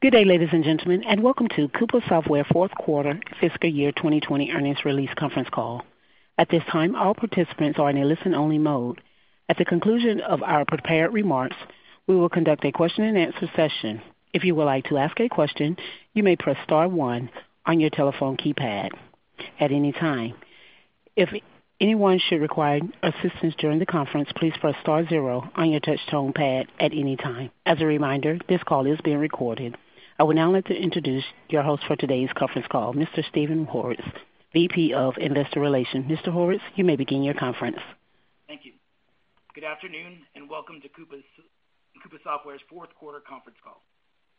Good day, ladies and gentlemen, and welcome to Coupa Software Q4 fiscal year 2020 earnings release conference call. At this time, all participants are in a listen-only mode. At the conclusion of our prepared remarks, we will conduct a question and answer session. If you would like to ask a question, you may press star one on your telephone keypad at any time. If anyone should require assistance during the conference, please press star zero on your touchtone keypad at any time. As a reminder, this call is being recorded. I would now like to introduce your host for today's conference call, Mr. Steven Horwitz, VP of Investor Relations. Mr. Horwitz, you may begin your conference. Thank you. Good afternoon, and welcome to Coupa Software's Q4 conference call.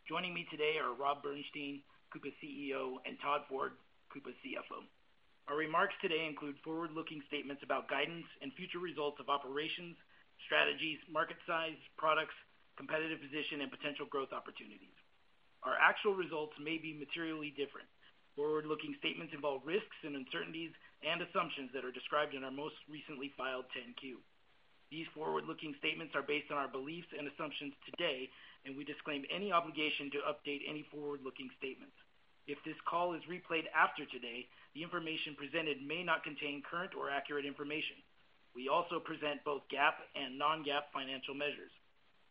Joining me today are Rob Bernshteyn, Coupa's CEO, and Todd Ford, Coupa's CFO. Our remarks today include forward-looking statements about guidance and future results of operations, strategies, market size, products, competitive position, and potential growth opportunities. Our actual results may be materially different. Forward-looking statements involve risks and uncertainties and assumptions that are described in our most recently filed 10-Q. These forward-looking statements are based on our beliefs and assumptions today, and we disclaim any obligation to update any forward-looking statements. If this call is replayed after today, the information presented may not contain current or accurate information. We also present both GAAP and non-GAAP financial measures.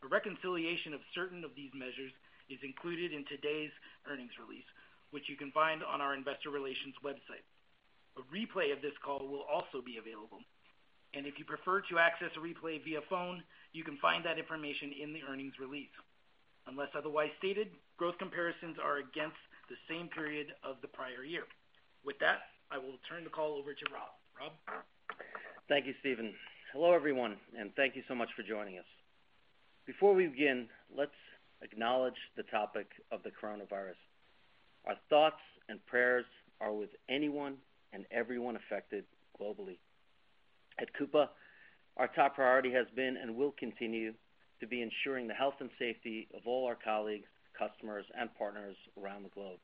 A reconciliation of certain of these measures is included in today's earnings release, which you can find on our investor relations website. A replay of this call will also be available, and if you prefer to access a replay via phone, you can find that information in the earnings release. Unless otherwise stated, growth comparisons are against the same period of the prior year. With that, I will turn the call over to Rob. Rob? Thank you, Steven. Hello, everyone, thank you so much for joining us. Before we begin, let's acknowledge the topic of the coronavirus. Our thoughts and prayers are with anyone and everyone affected globally. At Coupa, our top priority has been and will continue to be ensuring the health and safety of all our colleagues, customers, and partners around the globe.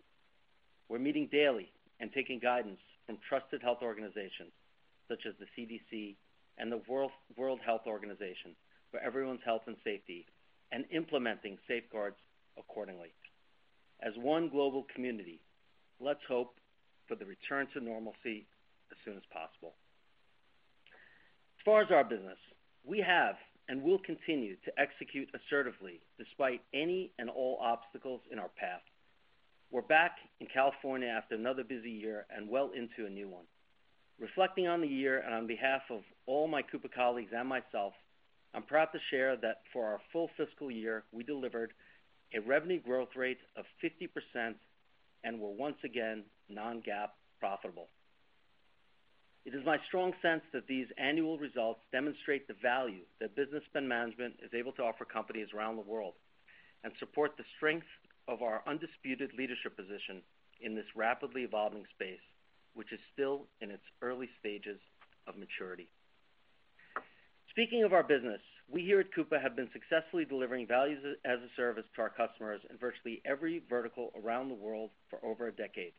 We're meeting daily and taking guidance from trusted health organizations such as the CDC and the World Health Organization for everyone's health and safety and implementing safeguards accordingly. As one global community, let's hope for the return to normalcy as soon as possible. As far as our business, we have and will continue to execute assertively despite any and all obstacles in our path. We're back in California after another busy year and well into a new one. Reflecting on the year, and on behalf of all my Coupa colleagues and myself, I'm proud to share that for our full fiscal year, we delivered a revenue growth rate of 50% and were once again non-GAAP profitable. It is my strong sense that these annual results demonstrate the value that Business Spend Management is able to offer companies around the world and support the strength of our undisputed leadership position in this rapidly evolving space, which is still in its early stages of maturity. Speaking of our business, we here at Coupa have been successfully delivering value as a service to our customers in virtually every vertical around the world for over a decade.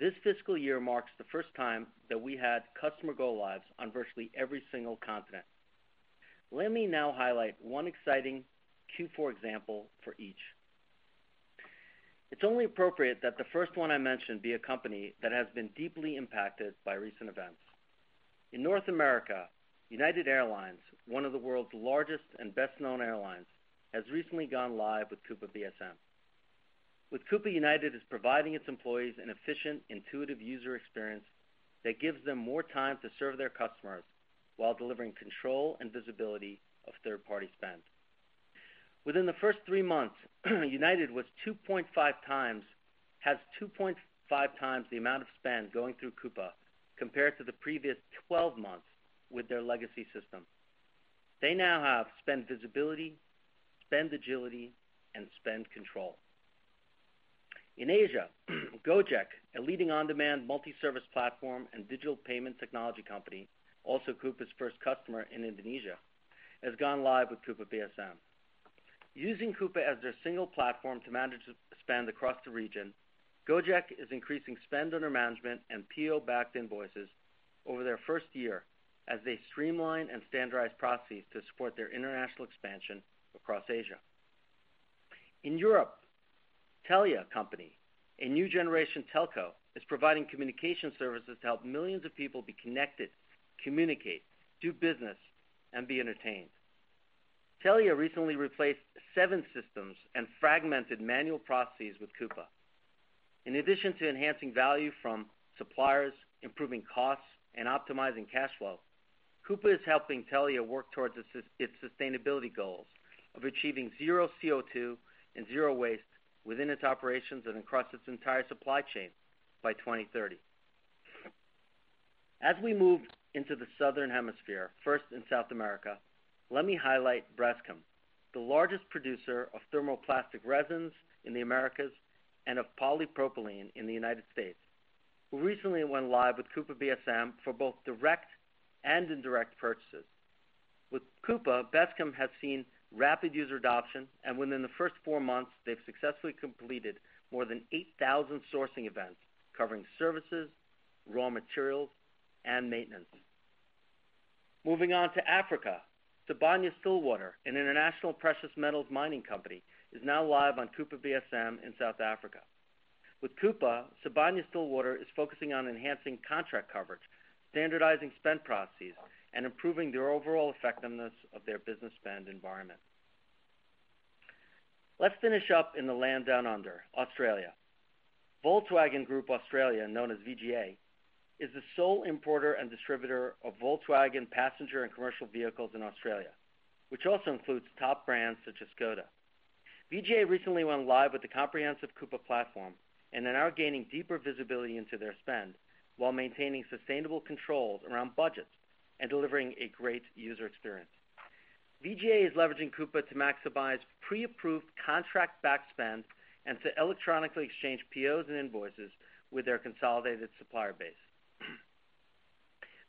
This fiscal year marks the first time that we had customer go lives on virtually every single continent. Let me now highlight one exciting Q4 example for each. It's only appropriate that the first one I mention be a company that has been deeply impacted by recent events. In North America, United Airlines, one of the world's largest and best-known airlines, has recently gone live with Coupa BSM. With Coupa, United is providing its employees an efficient, intuitive user experience that gives them more time to serve their customers while delivering control and visibility of third-party spend. Within the first three months, United has 2.5x the amount of spend going through Coupa compared to the previous 12 months with their legacy system. They now have spend visibility, spend agility, and spend control. In Asia, Gojek, a leading on-demand multi-service platform and digital payment technology company, also Coupa's first customer in Indonesia, has gone live with Coupa BSM. Using Coupa as their single platform to manage spend across the region, Gojek is increasing spend under management and PO-backed invoices over their first year as they streamline and standardize processes to support their international expansion across Asia. In Europe, Telia Company, a new generation telco, is providing communication services to help millions of people be connected, communicate, do business, and be entertained. Telia recently replaced seven systems and fragmented manual processes with Coupa. In addition to enhancing value from suppliers, improving costs, and optimizing cash flow, Coupa is helping Telia work towards its sustainability goals of achieving zero CO2 and zero waste within its operations and across its entire supply chain by 2030. As we move into the Southern Hemisphere, first in South America, let me highlight Braskem, the largest producer of thermoplastic resins in the Americas and of polypropylene in the U.S., who recently went live with Coupa BSM for both direct and indirect purchases. With Coupa, Braskem has seen rapid user adoption, and within the first four months, they've successfully completed more than 8,000 sourcing events covering services, raw materials and maintenance. Moving on to Africa. Sibanye-Stillwater, an international precious metals mining company, is now live on Coupa BSM in South Africa. With Coupa, Sibanye-Stillwater is focusing on enhancing contract coverage, standardizing spend processes, and improving their overall effectiveness of their business spend environment. Let's finish up in the land down under, Australia. Volkswagen Group Australia, known as VGA, is the sole importer and distributor of Volkswagen passenger and commercial vehicles in Australia, which also includes top brands such as Škoda. VGA recently went live with the comprehensive Coupa platform and are now gaining deeper visibility into their spend while maintaining sustainable controls around budgets and delivering a great user experience. VGA is leveraging Coupa to maximize pre-approved contract backed spend and to electronically exchange POs and invoices with their consolidated supplier base.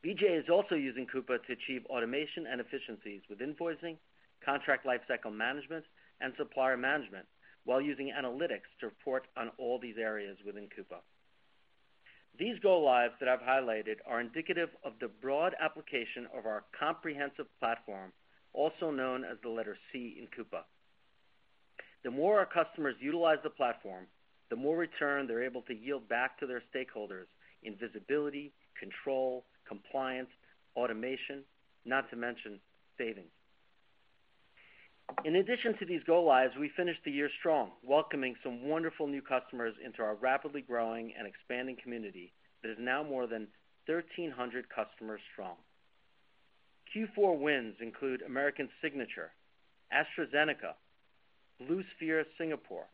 VGA is also using Coupa to achieve automation and efficiencies with invoicing, contract lifecycle management, and supplier management while using analytics to report on all these areas within Coupa. These go-lives that I've highlighted are indicative of the broad application of our comprehensive platform, also known as the letter C in Coupa. The more our customers utilize the platform, the more return they're able to yield back to their stakeholders in visibility, control, compliance, automation, not to mention savings. In addition to these go-lives, we finished the year strong, welcoming some wonderful new customers into our rapidly growing and expanding community that is now more than 1,300 customers strong. Q4 wins include American Signature, AstraZeneca, Blue Sphere Singapore,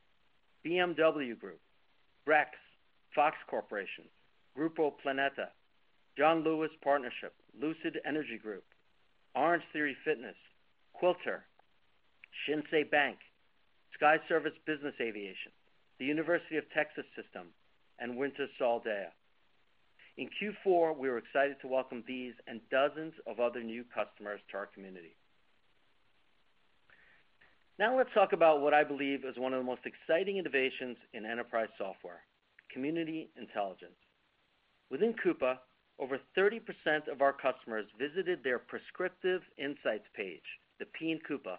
BMW Group, Brex, Fox Corporation, Grupo Planeta, John Lewis Partnership, Lucid Energy Group, Orangetheory Fitness, Quilter, Shinsei Bank, Skyservice Business Aviation, the University of Texas System, and Wintershall Dea. In Q4, we were excited to welcome these and dozens of other new customers to our community. Let's talk about what I believe is one of the most exciting innovations in enterprise software, Community Intelligence. Within Coupa, over 30% of our customers visited their prescriptive insights page, the P in Coupa,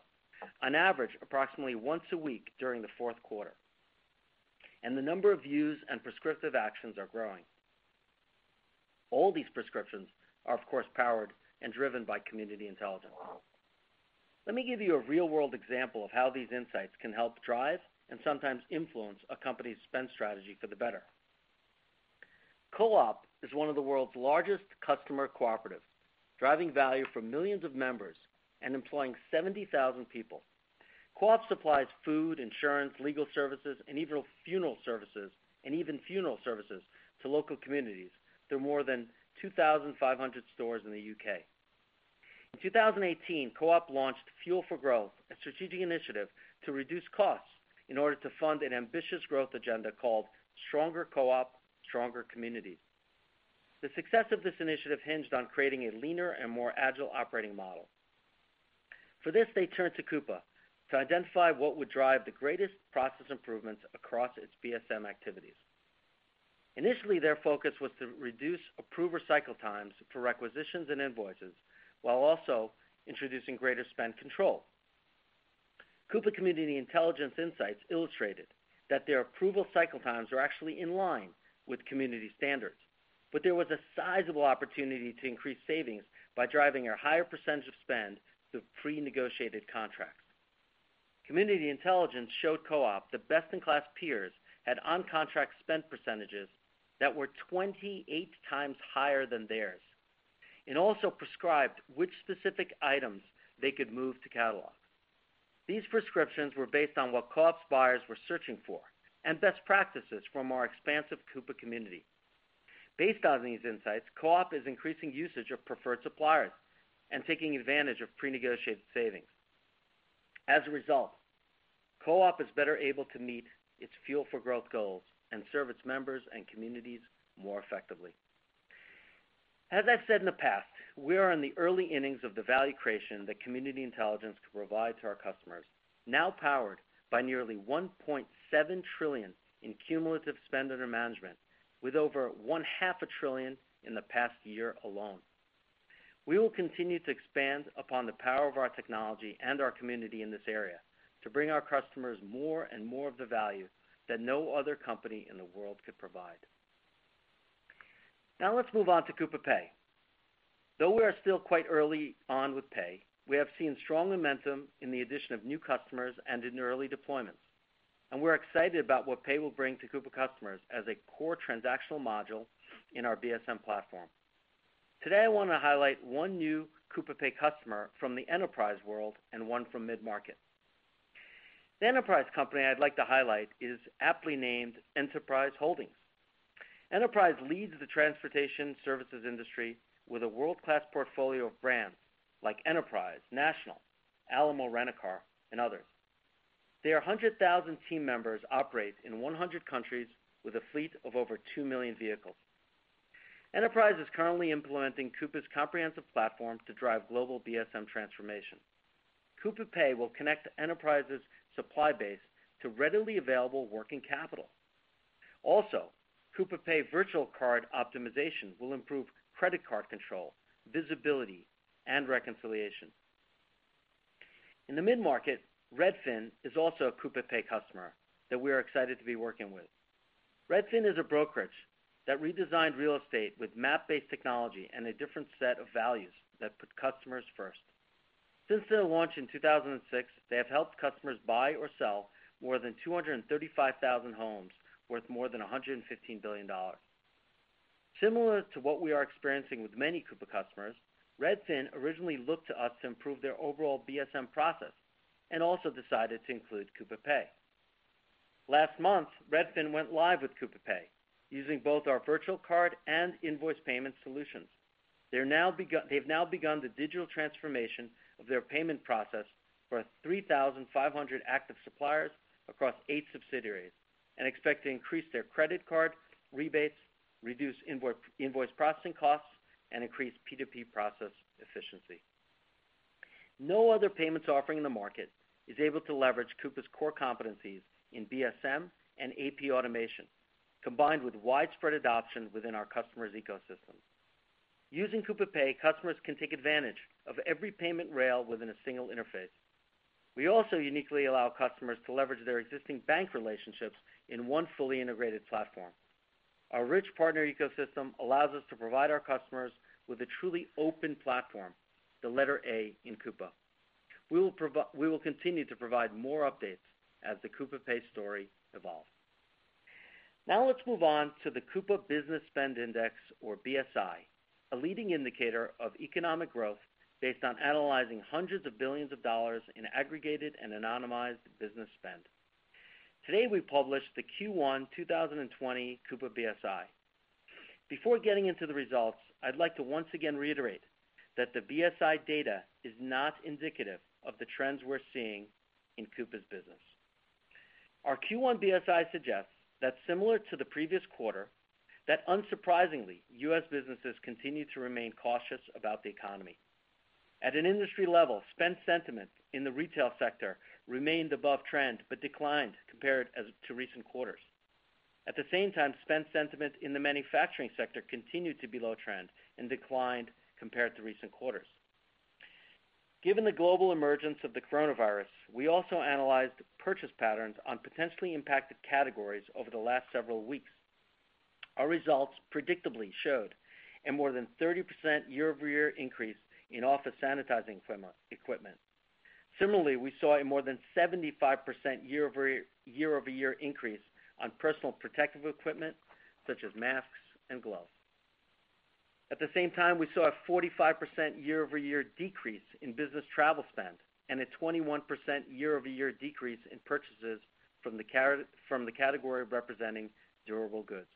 on average, approximately once a week during the Q4. The number of views and prescriptive actions are growing. All these prescriptions are, of course, powered and driven by Community Intelligence. Let me give you a real-world example of how these insights can help drive and sometimes influence a company's spend strategy for the better. Co-op is one of the world's largest customer cooperatives, driving value for millions of members and employing 70,000 people. Co-op supplies food, insurance, legal services, and even funeral services to local communities through more than 2,500 stores in the U.K. In 2018, Co-op launched Fuel for Growth, a strategic initiative to reduce costs in order to fund an ambitious growth agenda called Stronger Co-op, Stronger Communities. The success of this initiative hinged on creating a leaner and more agile operating model. For this, they turned to Coupa to identify what would drive the greatest process improvements across its BSM activities. Initially, their focus was to reduce approver cycle times for requisitions and invoices, while also introducing greater spend control. Coupa Community Intelligence insights illustrated that their approval cycle times were actually in line with community standards, but there was a sizable opportunity to increase savings by driving a higher percentage of spend through pre-negotiated contracts. Community Intelligence showed Co-op that best-in-class peers had on-contract spend percentages that were 28x higher than theirs, and also prescribed which specific items they could move to catalog. These prescriptions were based on what Co-op's buyers were searching for and best practices from our expansive Coupa community. Based on these insights, Co-op is increasing usage of preferred suppliers and taking advantage of pre-negotiated savings. As a result, Co-op is better able to meet its Fuel for Growth goals and serve its members and communities more effectively. As I've said in the past, we are in the early innings of the value creation that Community Intelligence can provide to our customers, now powered by nearly $1.7 trillion in cumulative spend under management, with over one-half a trillion in the past year alone. We will continue to expand upon the power of our technology and our community in this area to bring our customers more and more of the value that no other company in the world could provide. Now let's move on to Coupa Pay. Though we are still quite early on with Pay, we have seen strong momentum in the addition of new customers and in early deployments. We're excited about what Pay will bring to Coupa customers as a core transactional module in our BSM platform. Today, I want to highlight one new Coupa Pay customer from the enterprise world and one from mid-market. The enterprise company I'd like to highlight is aptly named Enterprise Holdings. Enterprise leads the transportation services industry with a world-class portfolio of brands like Enterprise, National, Alamo Rent-A-Car, and others. Their 100,000 team members operate in 100 countries with a fleet of over 2 million vehicles. Enterprise is currently implementing Coupa's comprehensive platform to drive global BSM transformation. Coupa Pay will connect enterprises' supply base to readily available working capital. Coupa Pay virtual card optimization will improve credit card control, visibility, and reconciliation. In the mid-market, Redfin is also a Coupa Pay customer that we are excited to be working with. Redfin is a brokerage that redesigned real estate with map-based technology and a different set of values that put customers first. Since their launch in 2006, they have helped customers buy or sell more than 235,000 homes worth more than $115 billion. Similar to what we are experiencing with many Coupa customers, Redfin originally looked to us to improve their overall BSM process, and also decided to include Coupa Pay. Last month, Redfin went live with Coupa Pay, using both our virtual card and invoice payment solutions. They've now begun the digital transformation of their payment process for 3,500 active suppliers across eight subsidiaries and expect to increase their credit card rebates, reduce invoice processing costs, and increase P2P process efficiency. No other payments offering in the market is able to leverage Coupa's core competencies in BSM and AP automation, combined with widespread adoption within our customers' ecosystems. Using Coupa Pay, customers can take advantage of every payment rail within a single interface. We also uniquely allow customers to leverage their existing bank relationships in one fully integrated platform. Our rich partner ecosystem allows us to provide our customers with a truly open platform, the letter A in Coupa. We will continue to provide more updates as the Coupa Pay story evolves. Let's move on to the Coupa Business Spend Index, or BSI, a leading indicator of economic growth based on analyzing $ hundreds of billions in aggregated and anonymized business spend. Today, we published the Q1 2020 Coupa BSI. Before getting into the results, I'd like to once again reiterate that the BSI data is not indicative of the trends we're seeing in Coupa's business. Our Q1 BSI suggests that similar to the previous quarter, that unsurprisingly, U.S. businesses continue to remain cautious about the economy. At an industry level, spend sentiment in the retail sector remained above trend, but declined compared to recent quarters. At the same time, spend sentiment in the manufacturing sector continued to be low trend and declined compared to recent quarters. Given the global emergence of the coronavirus, we also analyzed purchase patterns on potentially impacted categories over the last several weeks. Our results predictably showed a more than 30% year-over-year increase in office sanitizing equipment. Similarly, we saw a more than 75% year-over-year increase on personal protective equipment, such as masks and gloves. At the same time, we saw a 45% year-over-year decrease in business travel spend and a 21% year-over-year decrease in purchases from the category representing durable goods.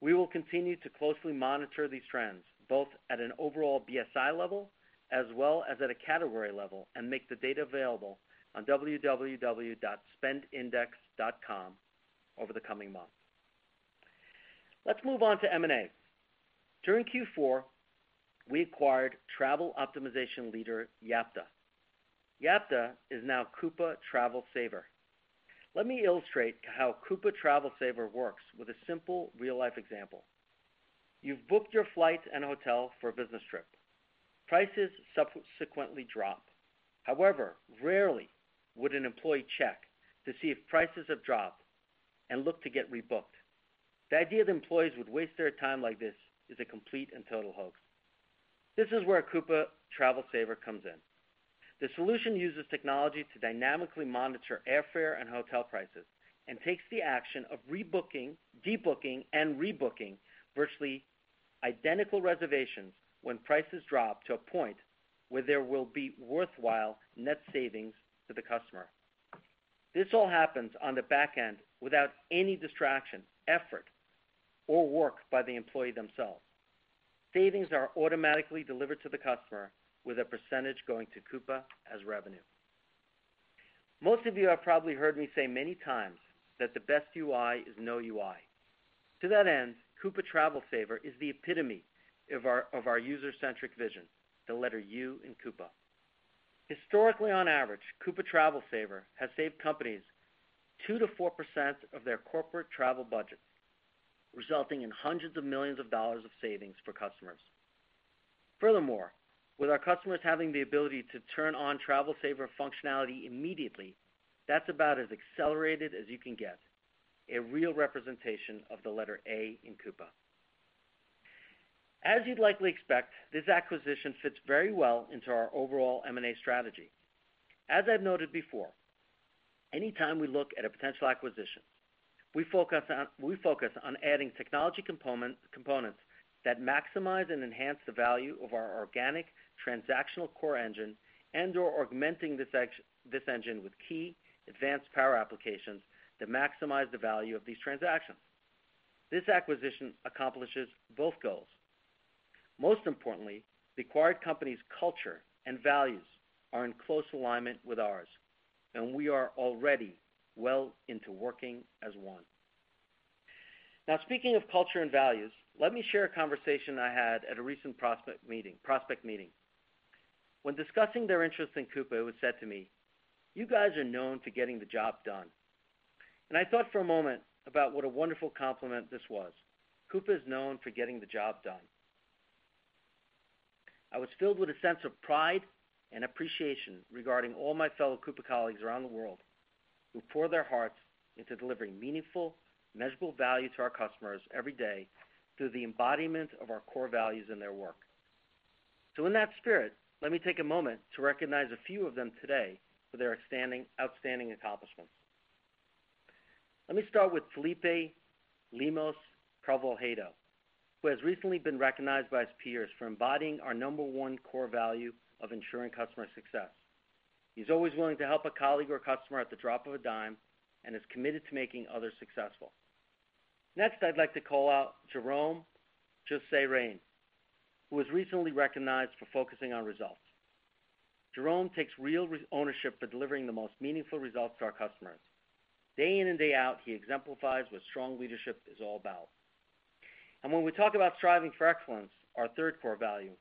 We will continue to closely monitor these trends, both at an overall BSI level as well as at a category level, and make the data available on www.spendindex.com over the coming months. Let's move on to M&A. During Q4, we acquired travel optimization leader, Yapta. Yapta is now Coupa TravelSaver. Let me illustrate how Coupa TravelSaver works with a simple real-life example. You've booked your flight and hotel for a business trip. Prices subsequently drop. However, rarely would an employee check to see if prices have dropped and look to get rebooked. The idea that employees would waste their time like this is a complete and total hoax. This is where Coupa TravelSaver comes in. The solution uses technology to dynamically monitor airfare and hotel prices and takes the action of debooking and rebooking virtually identical reservations when prices drop to a point where there will be worthwhile net savings to the customer. This all happens on the back end without any distraction, effort, or work by the employee themselves. Savings are automatically delivered to the customer with a percentage going to Coupa as revenue. Most of you have probably heard me say many times that the best UI is no UI. To that end, Coupa TravelSaver is the epitome of our user-centric vision, the letter U in Coupa. Historically, on average, Coupa TravelSaver has saved companies two percent-four percent of their corporate travel budgets, resulting in hundreds of millions of dollars of savings for customers. Furthermore, with our customers having the ability to turn on TravelSaver functionality immediately, that's about as accelerated as you can get. A real representation of the letter A in Coupa. As you'd likely expect, this acquisition fits very well into our overall M&A strategy. As I've noted before, any time we look at a potential acquisition, we focus on adding technology components that maximize and enhance the value of our organic transactional core engine and/or augmenting this engine with key advanced power applications that maximize the value of these transactions. This acquisition accomplishes both goals. Most importantly, the acquired company's culture and values are in close alignment with ours, and we are already well into working as one. Speaking of culture and values, let me share a conversation I had at a recent prospect meeting. When discussing their interest in Coupa, it was said to me, "You guys are known for getting the job done." I thought for a moment about what a wonderful compliment this was. Coupa is known for getting the job done. I was filled with a sense of pride and appreciation regarding all my fellow Coupa colleagues around the world, who pour their hearts into delivering meaningful, measurable value to our customers every day through the embodiment of our core values in their work. In that spirit, let me take a moment to recognize a few of them today for their outstanding accomplishments. Let me start with Felipe Lemos Carvalhaedo, who has recently been recognized by his peers for embodying our number one core value of ensuring customer success. He's always willing to help a colleague or customer at the drop of a dime and is committed to making others successful. Next, I'd like to call out Jerome Jussaume, who was recently recognized for focusing on results. Jerome takes real ownership of delivering the most meaningful results to our customers. Day in and day out, he exemplifies what strong leadership is all about. When we talk about striving for excellence, our third core value,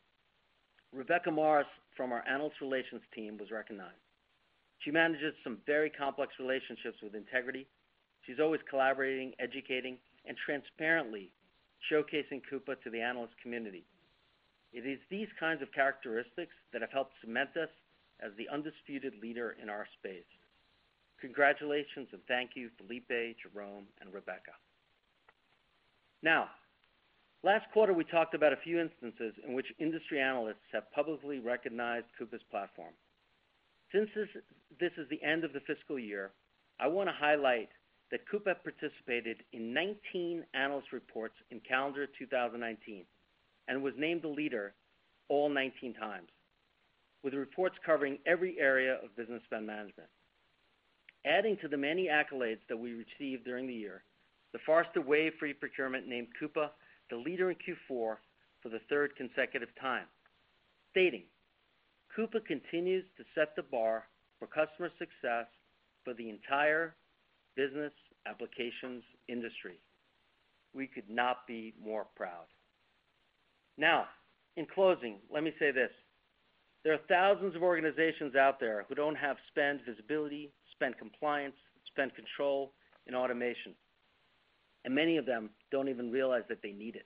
Rebecca Morris from our analyst relations team was recognized. She manages some very complex relationships with integrity. She's always collaborating, educating, and transparently showcasing Coupa to the analyst community. It is these kinds of characteristics that have helped cement us as the undisputed leader in our space. Congratulations and thank you, Felipe, Jerome, and Rebecca. Now, last quarter, we talked about a few instances in which industry analysts have publicly recognized Coupa's platform. Since this is the end of the fiscal year, I want to highlight that Coupa participated in 19 analyst reports in calendar 2019 and was named the leader all 19x, with reports covering every area of Business Spend Management. Adding to the many accolades that we received during the year, the Forrester Wave for Procurement named Coupa the leader in Q4 for the third consecutive time, stating, "Coupa continues to set the bar for customer success for the entire business applications industry." We could not be more proud. In closing, let me say this. There are thousands of organizations out there who don't have spend visibility, spend compliance, spend control, and automation, and many of them don't even realize that they need it.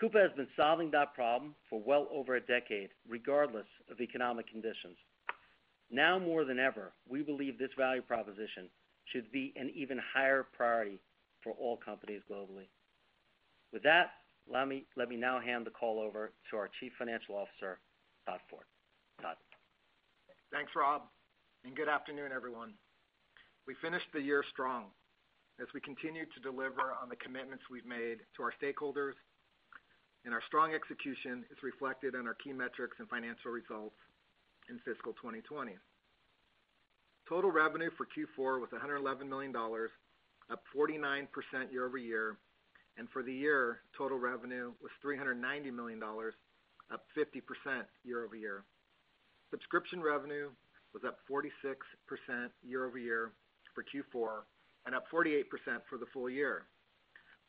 Coupa has been solving that problem for well over a decade, regardless of economic conditions. More than ever, we believe this value proposition should be an even higher priority for all companies globally. With that, let me now hand the call over to our Chief Financial Officer, Todd Ford. Todd? Thanks, Rob, and good afternoon, everyone. We finished the year strong as we continue to deliver on the commitments we've made to our stakeholders, and our strong execution is reflected in our key metrics and financial results in FY 2020. Total revenue for Q4 was $111 million, up 49% year-over-year, and for the year, total revenue was $390 million, up 50% year-over-year. Subscription revenue was up 46% year-over-year for Q4 and up 48% for the full year.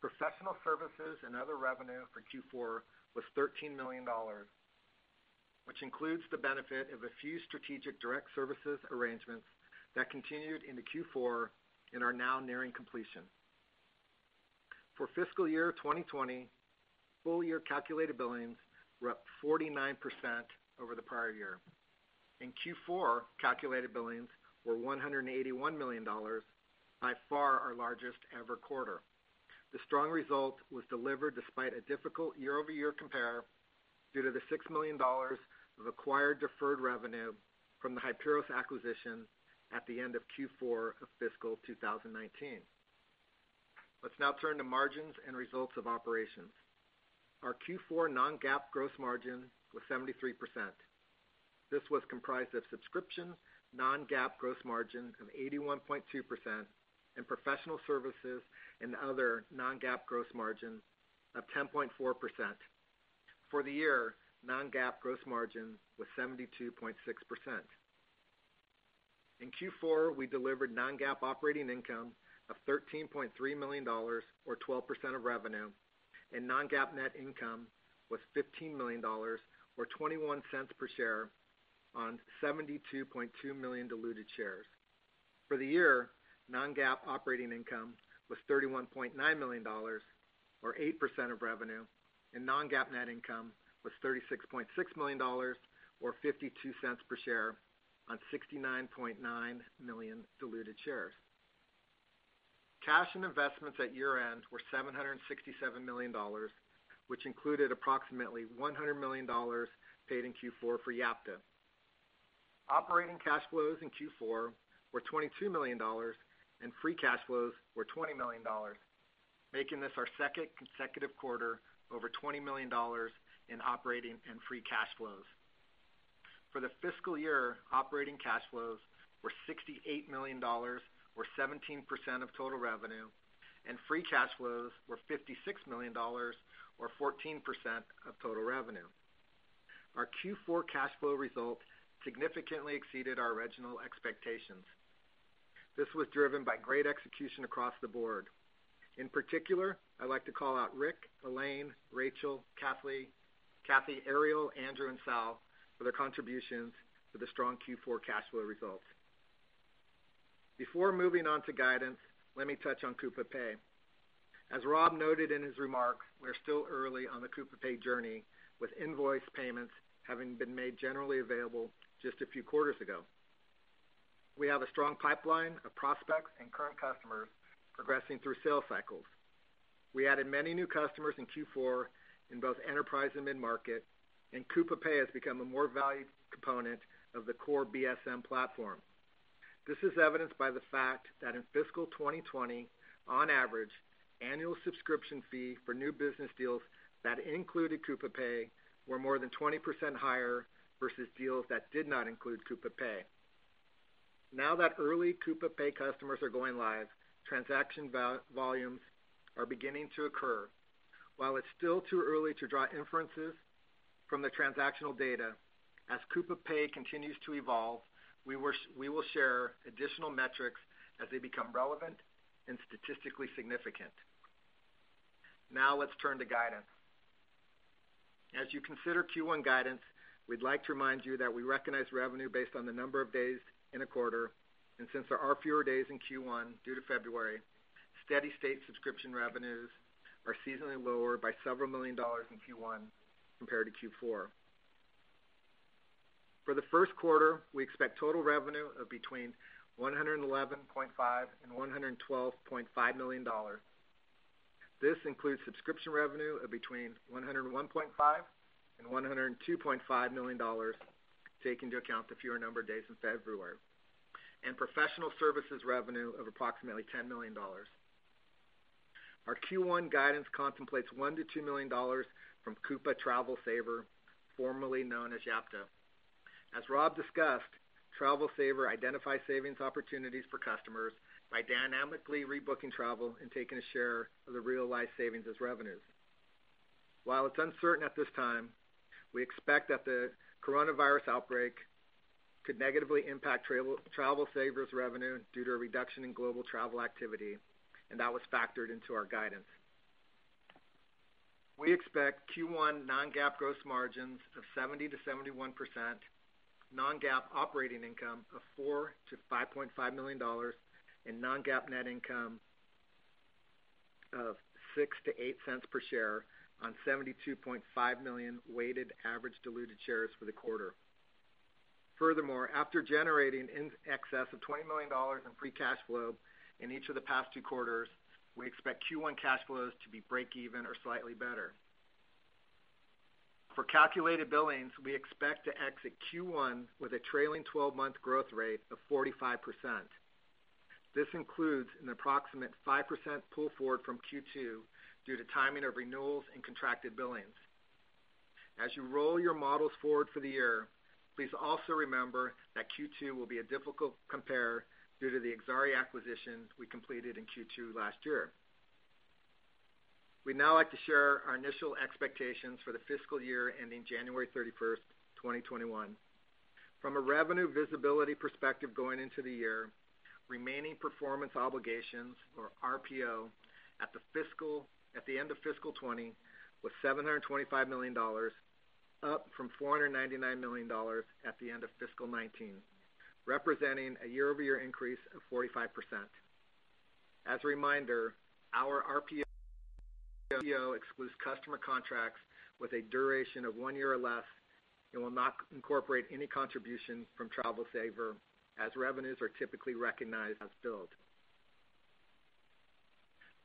Professional services and other revenue for Q4 was $13 million, which includes the benefit of a few strategic direct services arrangements that continued into Q4 and are now nearing completion. For FY 2020, full year calculated billings were up 49% over the prior year. In Q4, calculated billings were $181 million, by far our largest ever quarter. The strong result was delivered despite a difficult year-over-year compare due to the $6 million of acquired deferred revenue from the Hiperos acquisition at the end of Q4 of fiscal 2019. Let's now turn to margins and results of operations. Our Q4 non-GAAP gross margin was 73%. This was comprised of subscription non-GAAP gross margin of 81.2% and professional services and other non-GAAP gross margin of 10.4%. For the year, non-GAAP gross margin was 72.6%. In Q4, we delivered non-GAAP operating income of $13.3 million, or 12% of revenue, and non-GAAP net income was $15 million, or $0.21 per share on 72.2 million diluted shares. For the year, non-GAAP operating income was $31.9 million, or eight percent of revenue, and non-GAAP net income was $36.6 million, or $0.52 per share on 69.9 million diluted shares. Cash and investments at year-end were $767 million, which included approximately $100 million paid in Q4 for Yapta. Operating cash flows in Q4 were $22 million, and free cash flows were $20 million, making this our second consecutive quarter over $20 million in operating and free cash flows. For the fiscal year, operating cash flows were $68 million, or 17% of total revenue, and free cash flows were $56 million, or 14% of total revenue. Our Q4 cash flow results significantly exceeded our original expectations. This was driven by great execution across the board. In particular, I'd like to call out Rick, Elaine, Rachel, Kathy, Ariel, Andrew, and Sal for their contributions to the strong Q4 cash flow results. Before moving on to guidance, let me touch on Coupa Pay. As Rob noted in his remarks, we're still early on the Coupa Pay journey, with invoice payments having been made generally available just a few quarters ago. We have a strong pipeline of prospects and current customers progressing through sales cycles. We added many new customers in Q4 in both enterprise and mid-market, and Coupa Pay has become a more valued component of the core BSM platform. This is evidenced by the fact that in fiscal 2020, on average, annual subscription fee for new business deals that included Coupa Pay were more than 20% higher versus deals that did not include Coupa Pay. Now that early Coupa Pay customers are going live, transaction volumes are beginning to occur. While it's still too early to draw inferences from the transactional data, as Coupa Pay continues to evolve, we will share additional metrics as they become relevant and statistically significant. Now let's turn to guidance. As you consider Q1 guidance, we'd like to remind you that we recognize revenue based on the number of days in a quarter. Since there are fewer days in Q1 due to February, steady-state subscription revenues are seasonally lower by several million dollars in Q1 compared to Q4. For the Q1, we expect total revenue of between $111.5 million and $112.5 million. This includes subscription revenue of between $101.5 million and $102.5 million, taking into account the fewer number of days in February. Professional services revenue of approximately $10 million. Our Q1 guidance contemplates $1 million-$2 million from Coupa TravelSaver, formerly known as Yapta. As Rob discussed, TravelSaver identifies savings opportunities for customers by dynamically rebooking travel and taking a share of the realized savings as revenues. While it's uncertain at this time, we expect that the coronavirus outbreak could negatively impact TravelSaver's revenue due to a reduction in global travel activity, and that was factored into our guidance. We expect Q1 non-GAAP gross margins of 70%-71%, non-GAAP operating income of $4 million-$5.5 million, and non-GAAP net income of $0.06-$0.08 per share on 72.5 million weighted average diluted shares for the quarter. Furthermore, after generating in excess of $20 million in free cash flow in each of the past two quarters, we expect Q1 cash flows to be break even or slightly better. For calculated billings, we expect to exit Q1 with a trailing 12-month growth rate of 45%. This includes an approximate five percent pull forward from Q2 due to timing of renewals and contracted billings. As you roll your models forward for the year, please also remember that Q2 will be a difficult compare due to the Exari acquisition we completed in Q2 last year. We'd now like to share our initial expectations for the fiscal year ending January 31st, 2021. From a revenue visibility perspective going into the year, remaining performance obligations or RPO at the end of fiscal 2020 was $725 million, up from $499 million at the end of fiscal 2019, representing a year-over-year increase of 45%. As a reminder, our RPO excludes customer contracts with a duration of one year or less and will not incorporate any contribution from Travel Saver, as revenues are typically recognized as billed.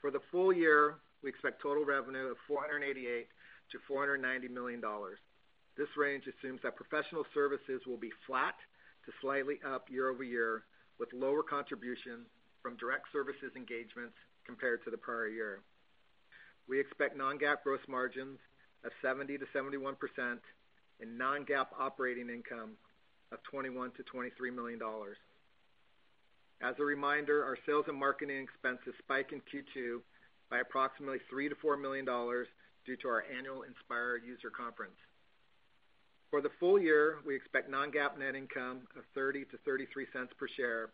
For the full year, we expect total revenue of $488 million-$490 million. This range assumes that professional services will be flat to slightly up year-over-year, with lower contribution from direct services engagements compared to the prior year. We expect non-GAAP gross margins of 70%-71% and non-GAAP operating income of $21 million-$23 million. As a reminder, our sales and marketing expenses spike in Q2 by approximately $3 million-$4 million due to our annual Inspire user conference. For the full year, we expect non-GAAP net income of $0.30-$0.33 per share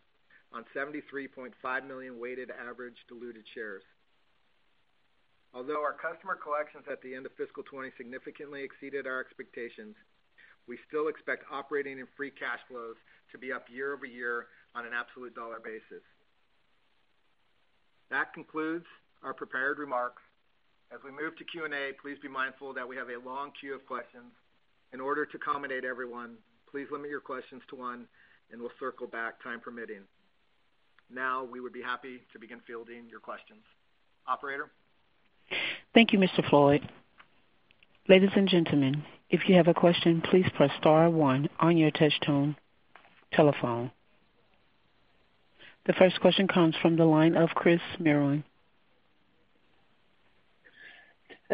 on 73.5 million weighted average diluted shares. Although our customer collections at the end of fiscal 2020 significantly exceeded our expectations, we still expect operating and free cash flows to be up year-over-year on an absolute dollar basis. That concludes our prepared remarks. As we move to Q&A, please be mindful that we have a long queue of questions. In order to accommodate everyone, please limit your questions to one and we'll circle back time permitting. Now, we would be happy to begin fielding your questions. Operator? Thank you, Mr. Ford. Ladies and gentlemen, if you have a question, please press star one on your touchtone telephone. The first question comes from the line of Chris Merwin.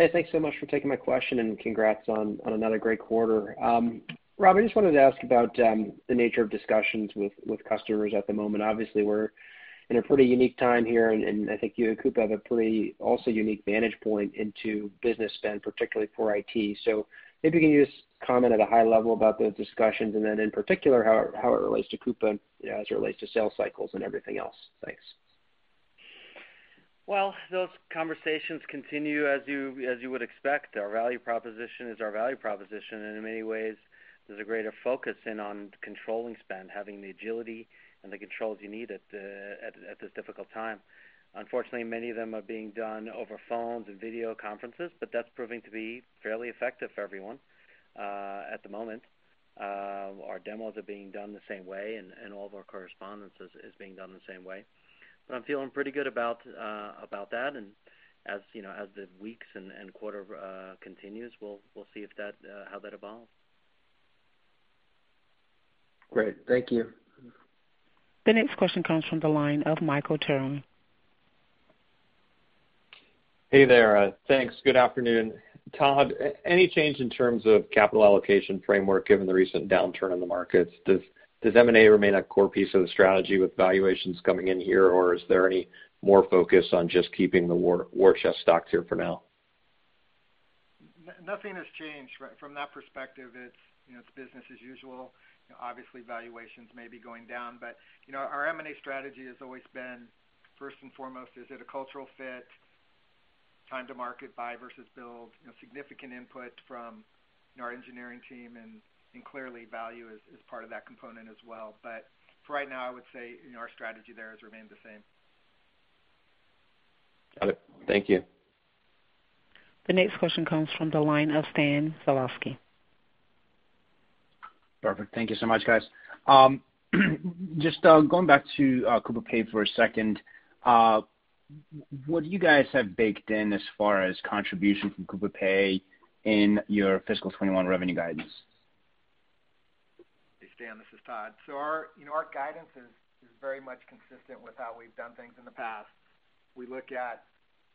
Hey, thanks so much for taking my question, and congrats on another great quarter. Rob, I just wanted to ask about the nature of discussions with customers at the moment. Obviously, we're in a pretty unique time here, and I think you at Coupa have a pretty also unique vantage point into business spend, particularly for IT. Maybe you can just comment at a high level about those discussions and then in particular, how it relates to Coupa as it relates to sales cycles and everything else. Thanks. Well, those conversations continue as you would expect. Our value proposition is our value proposition, and in many ways, there's a greater focus in on controlling spend, having the agility and the controls you need at this difficult time. Unfortunately, many of them are being done over phones and video conferences, but that's proving to be fairly effective for everyone at the moment. Our demos are being done the same way, and all of our correspondence is being done the same way. I'm feeling pretty good about that. As the weeks and quarter continues, we'll see how that evolves. Great. Thank you. The next question comes from the line of Michael Turrin. Hey there. Thanks. Good afternoon. Todd, any change in terms of capital allocation framework given the recent downturn in the markets? Does M&A remain a core piece of the strategy with valuations coming in here, or is there any more focus on just keeping the war chest stocked here for now? Nothing has changed from that perspective. It's business as usual. Obviously, valuations may be going down, but our M&A strategy has always been, first and foremost, is it a cultural fit, time to market, buy versus build, significant input from our engineering team, and clearly, value is part of that component as well. For right now, I would say our strategy there has remained the same. Got it. Thank you. The next question comes from the line of Stan Zlotsky. Perfect. Thank you so much, guys. Just going back to Coupa Pay for a second, what do you guys have baked in as far as contribution from Coupa Pay in your fiscal 2021 revenue guidance? Hey, Stan, this is Todd. Our guidance is very much consistent with how we've done things in the past. We look at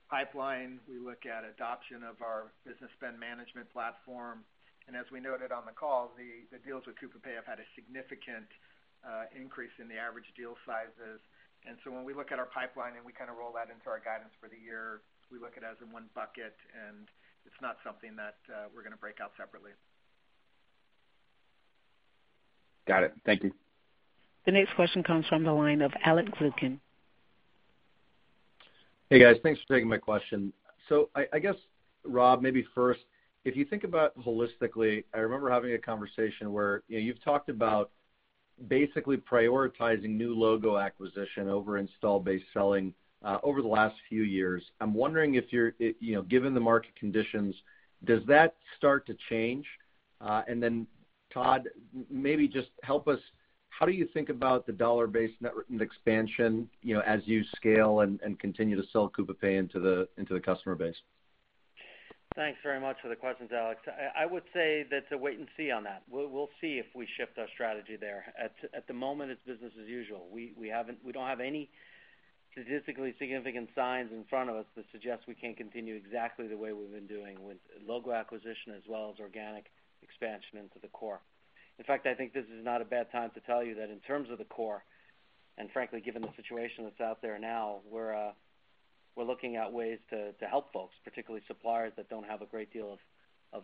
pipeline, we look at adoption of our Business Spend Management platform, and as we noted on the call, the deals with Coupa Pay have had a significant increase in the average deal sizes. When we look at our pipeline and we kind of roll that into our guidance for the year, we look at it as in one bucket, and it's not something that we're going to break out separately. Got it. Thank you. The next question comes from the line of Alex Zukin. Hey, guys. Thanks for taking my question. I guess, Rob, maybe first, if you think about holistically, I remember having a conversation where you've talked about basically prioritizing new logo acquisition over install base selling over the last few years. I'm wondering if, given the market conditions, does that start to change? Todd, maybe just help us, how do you think about the dollar base net expansion as you scale and continue to sell Coupa Pay into the customer base? Thanks very much for the questions, Alex Zukin. I would say that's a wait and see on that. We'll see if we shift our strategy there. At the moment, it's business as usual. We don't have any statistically significant signs in front of us that suggest we can't continue exactly the way we've been doing with logo acquisition as well as organic expansion into the core. In fact, I think this is not a bad time to tell you that in terms of the core, and frankly, given the situation that's out there now, we're looking at ways to help folks, particularly suppliers that don't have a great deal of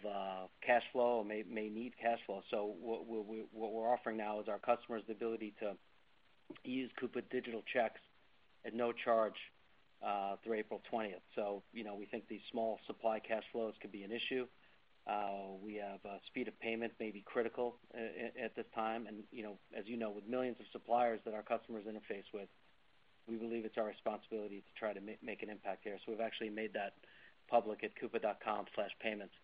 cash flow or may need cash flow. What we're offering now is our customers the ability to use Coupa digital checks at no charge through April 20th. We think these small supply cash flows could be an issue. We have speed of payment may be critical at this time. As you know, with millions of suppliers that our customers interface with, we believe it's our responsibility to try to make an impact there. We've actually made that public at coupa.com/payments.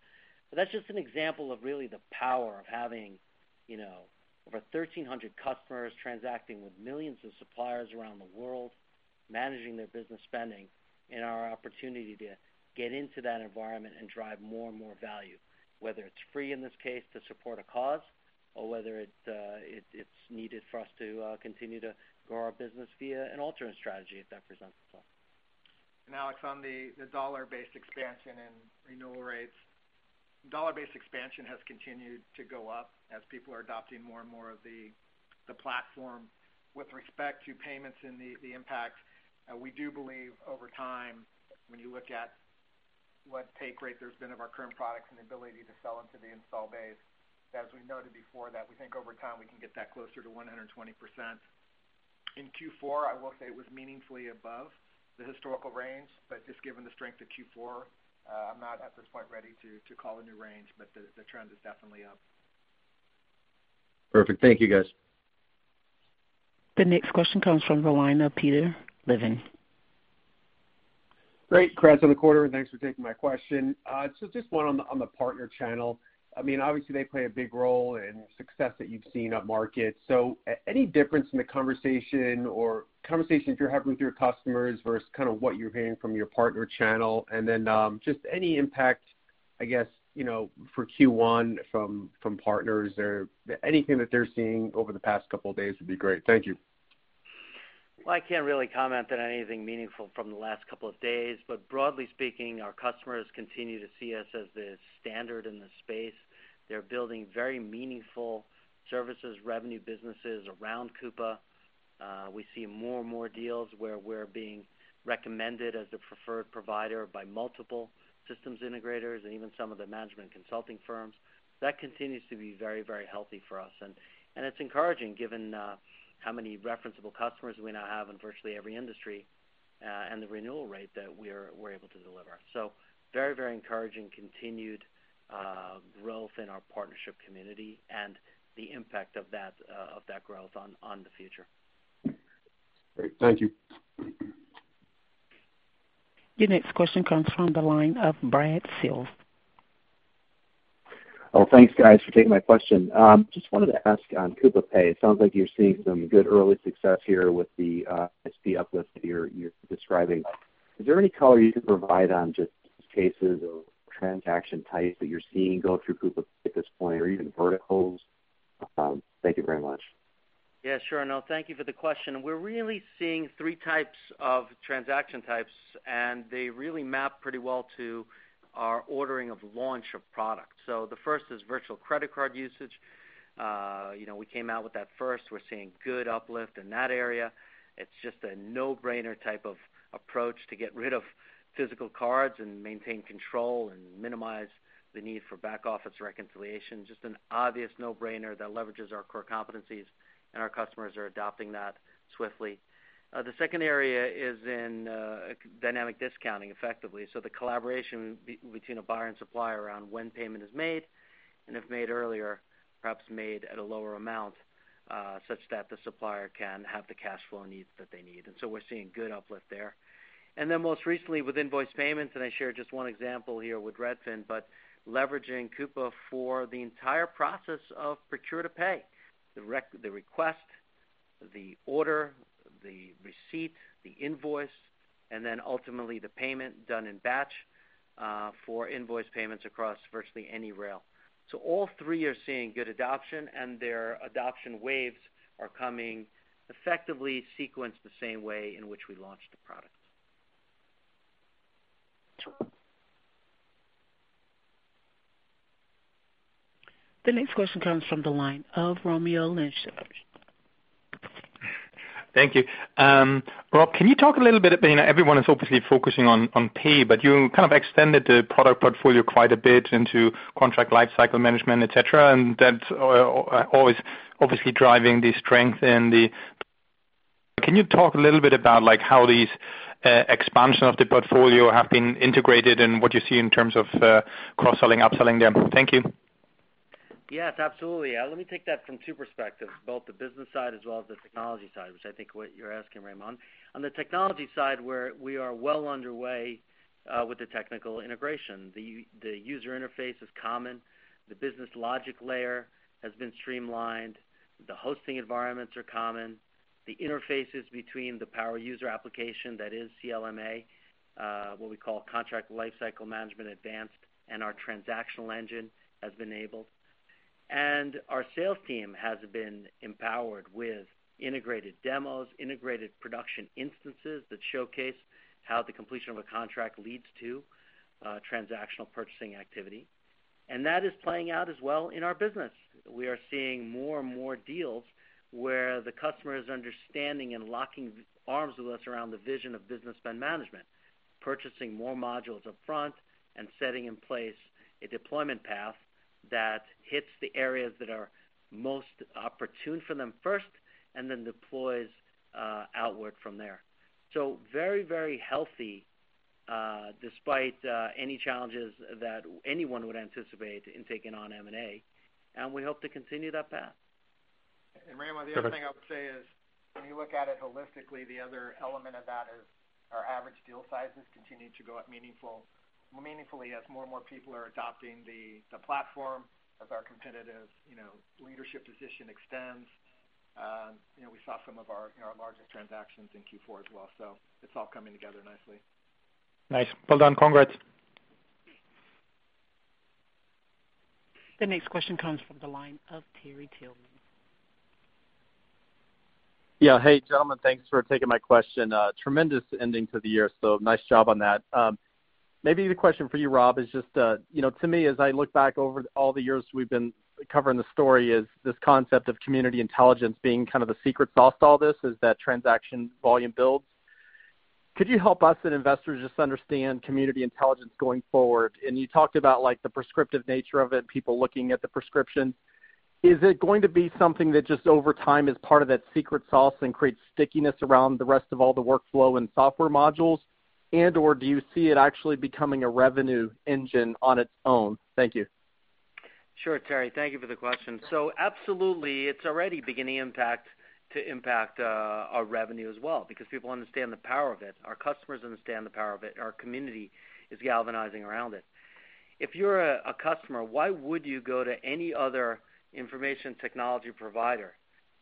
That's just an example of really the power of having over 1,300 customers transacting with millions of suppliers around the world, managing their business spending, and our opportunity to get into that environment and drive more and more value, whether it's free in this case to support a cause, or whether it's needed for us to continue to grow our business via an alternate strategy if that presents itself. Alex, on the dollar-based expansion and renewal rates, dollar-based expansion has continued to go up as people are adopting more and more of the platform. With respect to payments and the impacts, we do believe over time, when you look at what take rate there's been of our current products and the ability to sell into the install base, as we noted before that we think over time we can get that closer to 120%. In Q4, I will say it was meaningfully above the historical range, just given the strength of Q4, I'm not at this point ready to call a new range, the trend is definitely up. Perfect. Thank you, guys. The next question comes from the line of Peter Levine. Great. Congrats on the quarter, thanks for taking my question. Just one on the partner channel. Obviously, they play a big role in success that you've seen up market. Any difference in the conversation or conversations you're having with your customers versus kind of what you're hearing from your partner channel? Just any impact, I guess, for Q1 from partners or anything that they're seeing over the past couple of days would be great. Thank you. I can't really comment on anything meaningful from the last couple of days, but broadly speaking, our customers continue to see us as the standard in the space. They're building very meaningful services revenue businesses around Coupa. We see more and more deals where we're being recommended as a preferred provider by multiple systems integrators and even some of the management consulting firms. That continues to be very healthy for us. It's encouraging given how many referenceable customers we now have in virtually every industry, and the renewal rate that we're able to deliver. Very encouraging continued growth in our partnership community and the impact of that growth on the future. Great. Thank you. Your next question comes from the line of Brad Sills. Thanks guys for taking my question. Wanted to ask on Coupa Pay. It sounds like you're seeing some good early success here with the SP uplift that you're describing. Is there any color you can provide on just cases or transaction types that you're seeing go through Coupa Pay at this point, or even verticals? Thank you very much. Yeah, sure. Thank you for the question. We're really seeing three types of transaction types. They really map pretty well to our ordering of launch of product. The first is virtual credit card usage. We came out with that first. We're seeing good uplift in that area. It's just a no-brainer type of approach to get rid of physical cards and maintain control and minimize the need for back-office reconciliation. Just an obvious no-brainer that leverages our core competencies. Our customers are adopting that swiftly. The second area is in dynamic discounting effectively. The collaboration between a buyer and supplier around when payment is made, and if made earlier, perhaps made at a lower amount, such that the supplier can have the cash flow needs that they need. We're seeing good uplift there. Most recently with invoice payments, and I shared just one example here with Redfin, but leveraging Coupa for the entire process of procure to pay, the request, the order, the receipt, the invoice, and then ultimately the payment done in batch, for invoice payments across virtually any rail. All three are seeing good adoption, and their adoption waves are coming effectively sequenced the same way in which we launched the product. The next question comes from the line of Raimo Lenschow. Thank you. Rob, can you talk a little bit, everyone is obviously focusing on pay, but you kind of extended the product portfolio quite a bit into contract life cycle management, et cetera, and that's always obviously driving the strength. Can you talk a little bit about how these expansion of the portfolio have been integrated and what you see in terms of cross-selling, upselling them? Thank you. Yes, absolutely. Let me take that from two perspectives, both the business side as well as the technology side, which I think what you're asking, Raimo. On the technology side, we are well underway with the technical integration. The user interface is common. The business logic layer has been streamlined. The hosting environments are common. The interfaces between the power user application, that is CLMA, what we call Contract Lifecycle Management Advanced, and our transactional engine has been enabled. Our sales team has been empowered with integrated demos, integrated production instances that showcase how the completion of a contract leads to transactional purchasing activity. That is playing out as well in our business. We are seeing more and more deals where the customer is understanding and locking arms with us around the vision of Business Spend Management, purchasing more modules upfront and setting in place a deployment path that hits the areas that are most opportune for them first, and then deploys outward from there. Very healthy, despite any challenges that anyone would anticipate in taking on M&A, and we hope to continue that path. Raymond, the other thing I would say is when you look at it holistically, the other element of that is our average deal sizes continue to go up meaningfully as more and more people are adopting the platform as our competitive leadership position extends. We saw some of our larger transactions in Q4 as well. It's all coming together nicely. Nice. Well done. Congrats. The next question comes from the line of Terry Tillman. Yeah. Hey, gentlemen. Thanks for taking my question. Tremendous ending to the year, nice job on that. Maybe the question for you, Rob, is just, to me as I look back over all the years we've been covering the story, is this concept of Community Intelligence being kind of the secret sauce to all this as that transaction volume builds. Could you help us and investors just understand Community Intelligence going forward? You talked about the prescriptive nature of it, people looking at the prescription. Is it going to be something that just over time is part of that secret sauce and creates stickiness around the rest of all the workflow and software modules? And/or do you see it actually becoming a revenue engine on its own? Thank you. Sure, Terry. Thank you for the question. Absolutely, it's already beginning to impact our revenue as well because people understand the power of it. Our customers understand the power of it. Our community is galvanizing around it. If you're a customer, why would you go to any other information technology provider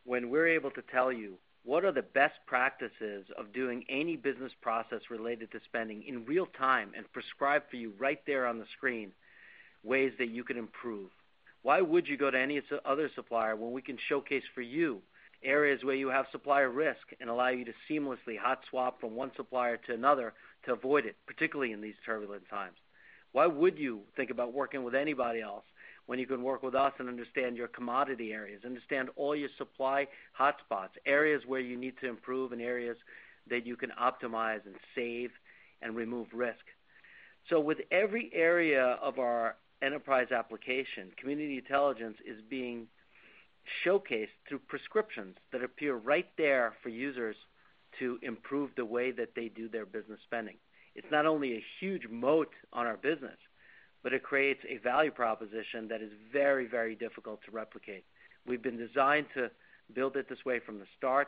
when we're able to tell you what are the best practices of doing any business process related to spending in real time and prescribe for you right there on the screen ways that you can improve? Why would you go to any other supplier when we can showcase for you areas where you have supplier risk and allow you to seamlessly hot swap from one supplier to another to avoid it, particularly in these turbulent times? Why would you think about working with anybody else when you can work with us and understand your commodity areas, understand all your supply hotspots, areas where you need to improve, and areas that you can optimize and save and remove risk? With every area of our enterprise application, Community Intelligence is being showcased through prescriptions that appear right there for users to improve the way that they do their business spending. It's not only a huge moat on our business, but it creates a value proposition that is very, very difficult to replicate. We've been designed to build it this way from the start.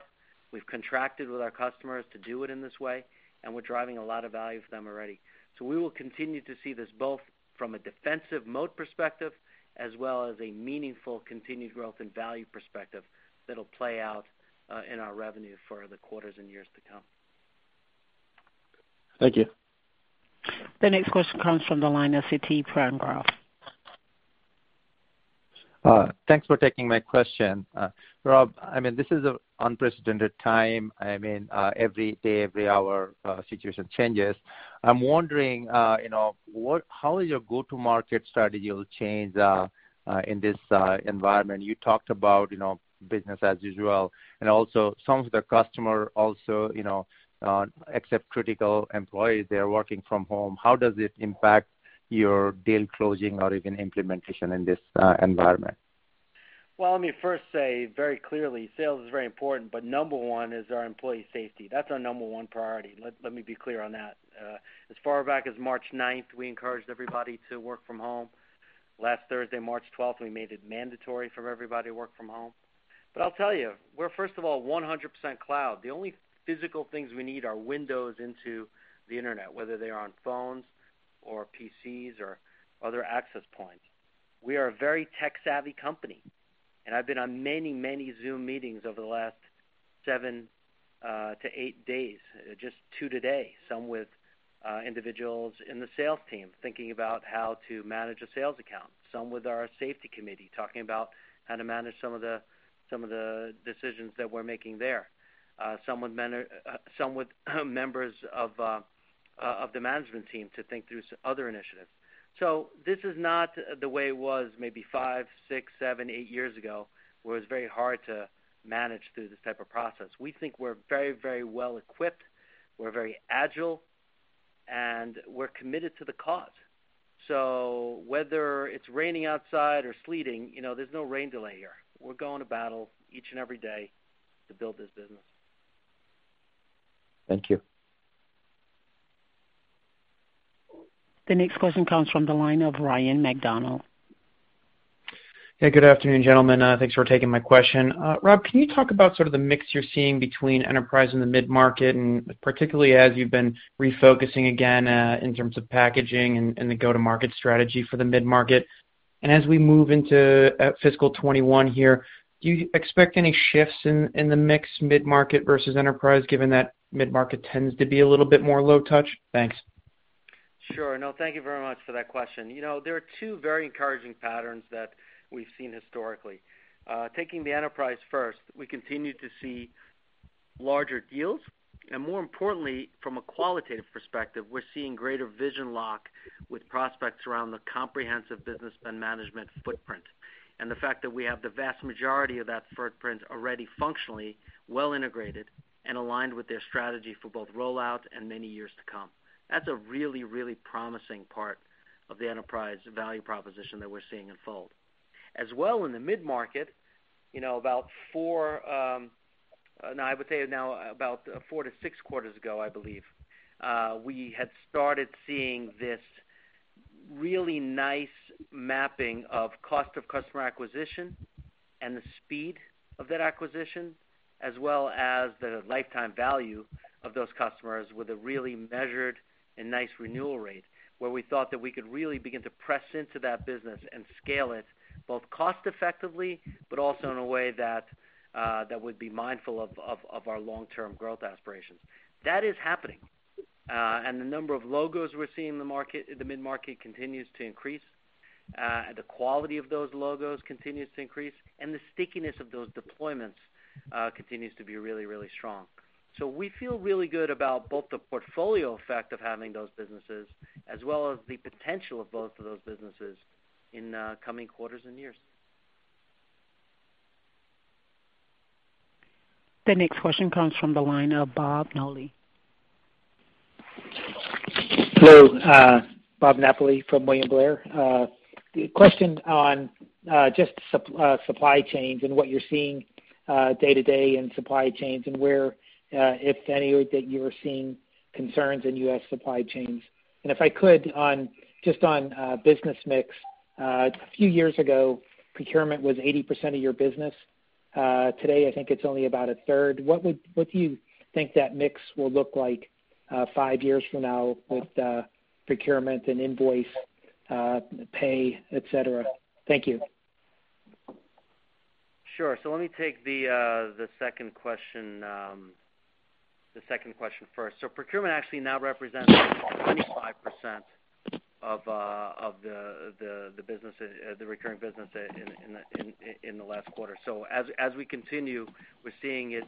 We've contracted with our customers to do it in this way, and we're driving a lot of value for them already. We will continue to see this both from a defensive moat perspective as well as a meaningful continued growth and value perspective that'll play out in our revenue for the quarters and years to come. Thank you. The next question comes from the line of DJ Hynes. Thanks for taking my question. Rob, this is an unprecedented time. Every day, every hour, situation changes. I'm wondering, how has your go-to market strategy changed in this environment? You talked about business as usual, and also some of the customer, except critical employees, they are working from home. How does it impact your deal closing or even implementation in this environment? Well, let me first say very clearly, sales is very important, but number one is our employee safety. That's our number one priority. Let me be clear on that. As far back as March 9th, we encouraged everybody to work from home. Last Thursday, March 12th, we made it mandatory for everybody to work from home. I'll tell you, we're first of all, 100% cloud. The only physical things we need are windows into the internet, whether they are on phones or PCs or other access points. We are a very tech-savvy company, and I've been on many Zoom meetings over the last seven - eight days, just two today. Some with individuals in the sales team, thinking about how to manage a sales account. Some with our safety committee, talking about how to manage some of the decisions that we're making there. Some with members of the management team to think through some other initiatives. This is not the way it was maybe five, six, seven, eight years ago, where it's very hard to manage through this type of process. We think we're very well-equipped, we're very agile, and we're committed to the cause. Whether it's raining outside or sleeting, there's no rain delay here. We're going to battle each and every day to build this business. Thank you. The next question comes from the line of Ryan MacDonald. Hey, good afternoon, gentlemen. Thanks for taking my question. Rob, can you talk about sort of the mix you're seeing between enterprise and the mid-market, and particularly as you've been refocusing again, in terms of packaging and the go-to-market strategy for the mid-market? As we move into fiscal 2021 here, do you expect any shifts in the mix mid-market versus enterprise, given that mid-market tends to be a little bit more low touch? Thanks. Sure. No, thank you very much for that question. There are two very encouraging patterns that we've seen historically. Taking the enterprise first, we continue to see larger deals, and more importantly, from a qualitative perspective, we're seeing greater vision lock with prospects around the comprehensive Business Spend Management footprint. The fact that we have the vast majority of that footprint already functionally well integrated and aligned with their strategy for both rollout and many years to come. That's a really promising part of the enterprise value proposition that we're seeing unfold. As well in the mid-market, now about four - six quarters ago, I believe, we had started seeing this really nice mapping of cost of customer acquisition and the speed of that acquisition, as well as the lifetime value of those customers with a really measured and nice renewal rate, where we thought that we could really begin to press into that business and scale it both cost effectively, but also in a way that would be mindful of our long-term growth aspirations. That is happening. The number of logos we're seeing in the mid-market continues to increase, the quality of those logos continues to increase, and the stickiness of those deployments continues to be really strong. We feel really good about both the portfolio effect of having those businesses as well as the potential of both of those businesses in coming quarters and years. The next question comes from the line of Bob Napoli. Hello. Bob Napoli from William Blair. The question on just supply chains and what you're seeing day to day in supply chains and where, if anywhere, that you are seeing concerns in U.S. supply chains. If I could, just on business mix. A few years ago, procurement was 80% of your business. Today, I think it's only about a third. What do you think that mix will look like five years from now with procurement and invoice pay, et cetera? Thank you. Sure. Let me take the second question first. Procurement actually now represents 25% of the recurring business in the last quarter. As we continue, we're seeing it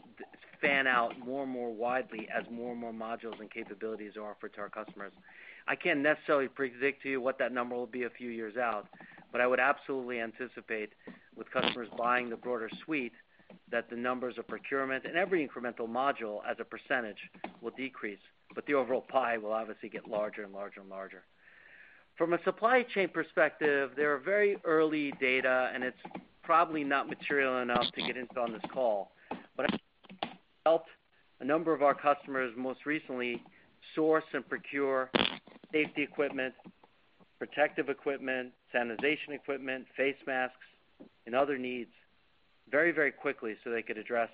fan out more and more widely as more and more modules and capabilities are offered to our customers. I can't necessarily predict to you what that number will be a few years out, but I would absolutely anticipate with customers buying the broader suite, that the numbers of procurement and every incremental module as a percentage will decrease, but the overall pie will obviously get larger and larger and larger. From a supply chain perspective, there are very early data, and it's probably not material enough to get into on this call. Helped a number of our customers most recently source and procure safety equipment, protective equipment, sanitization equipment, face masks, and other needs very quickly so they could address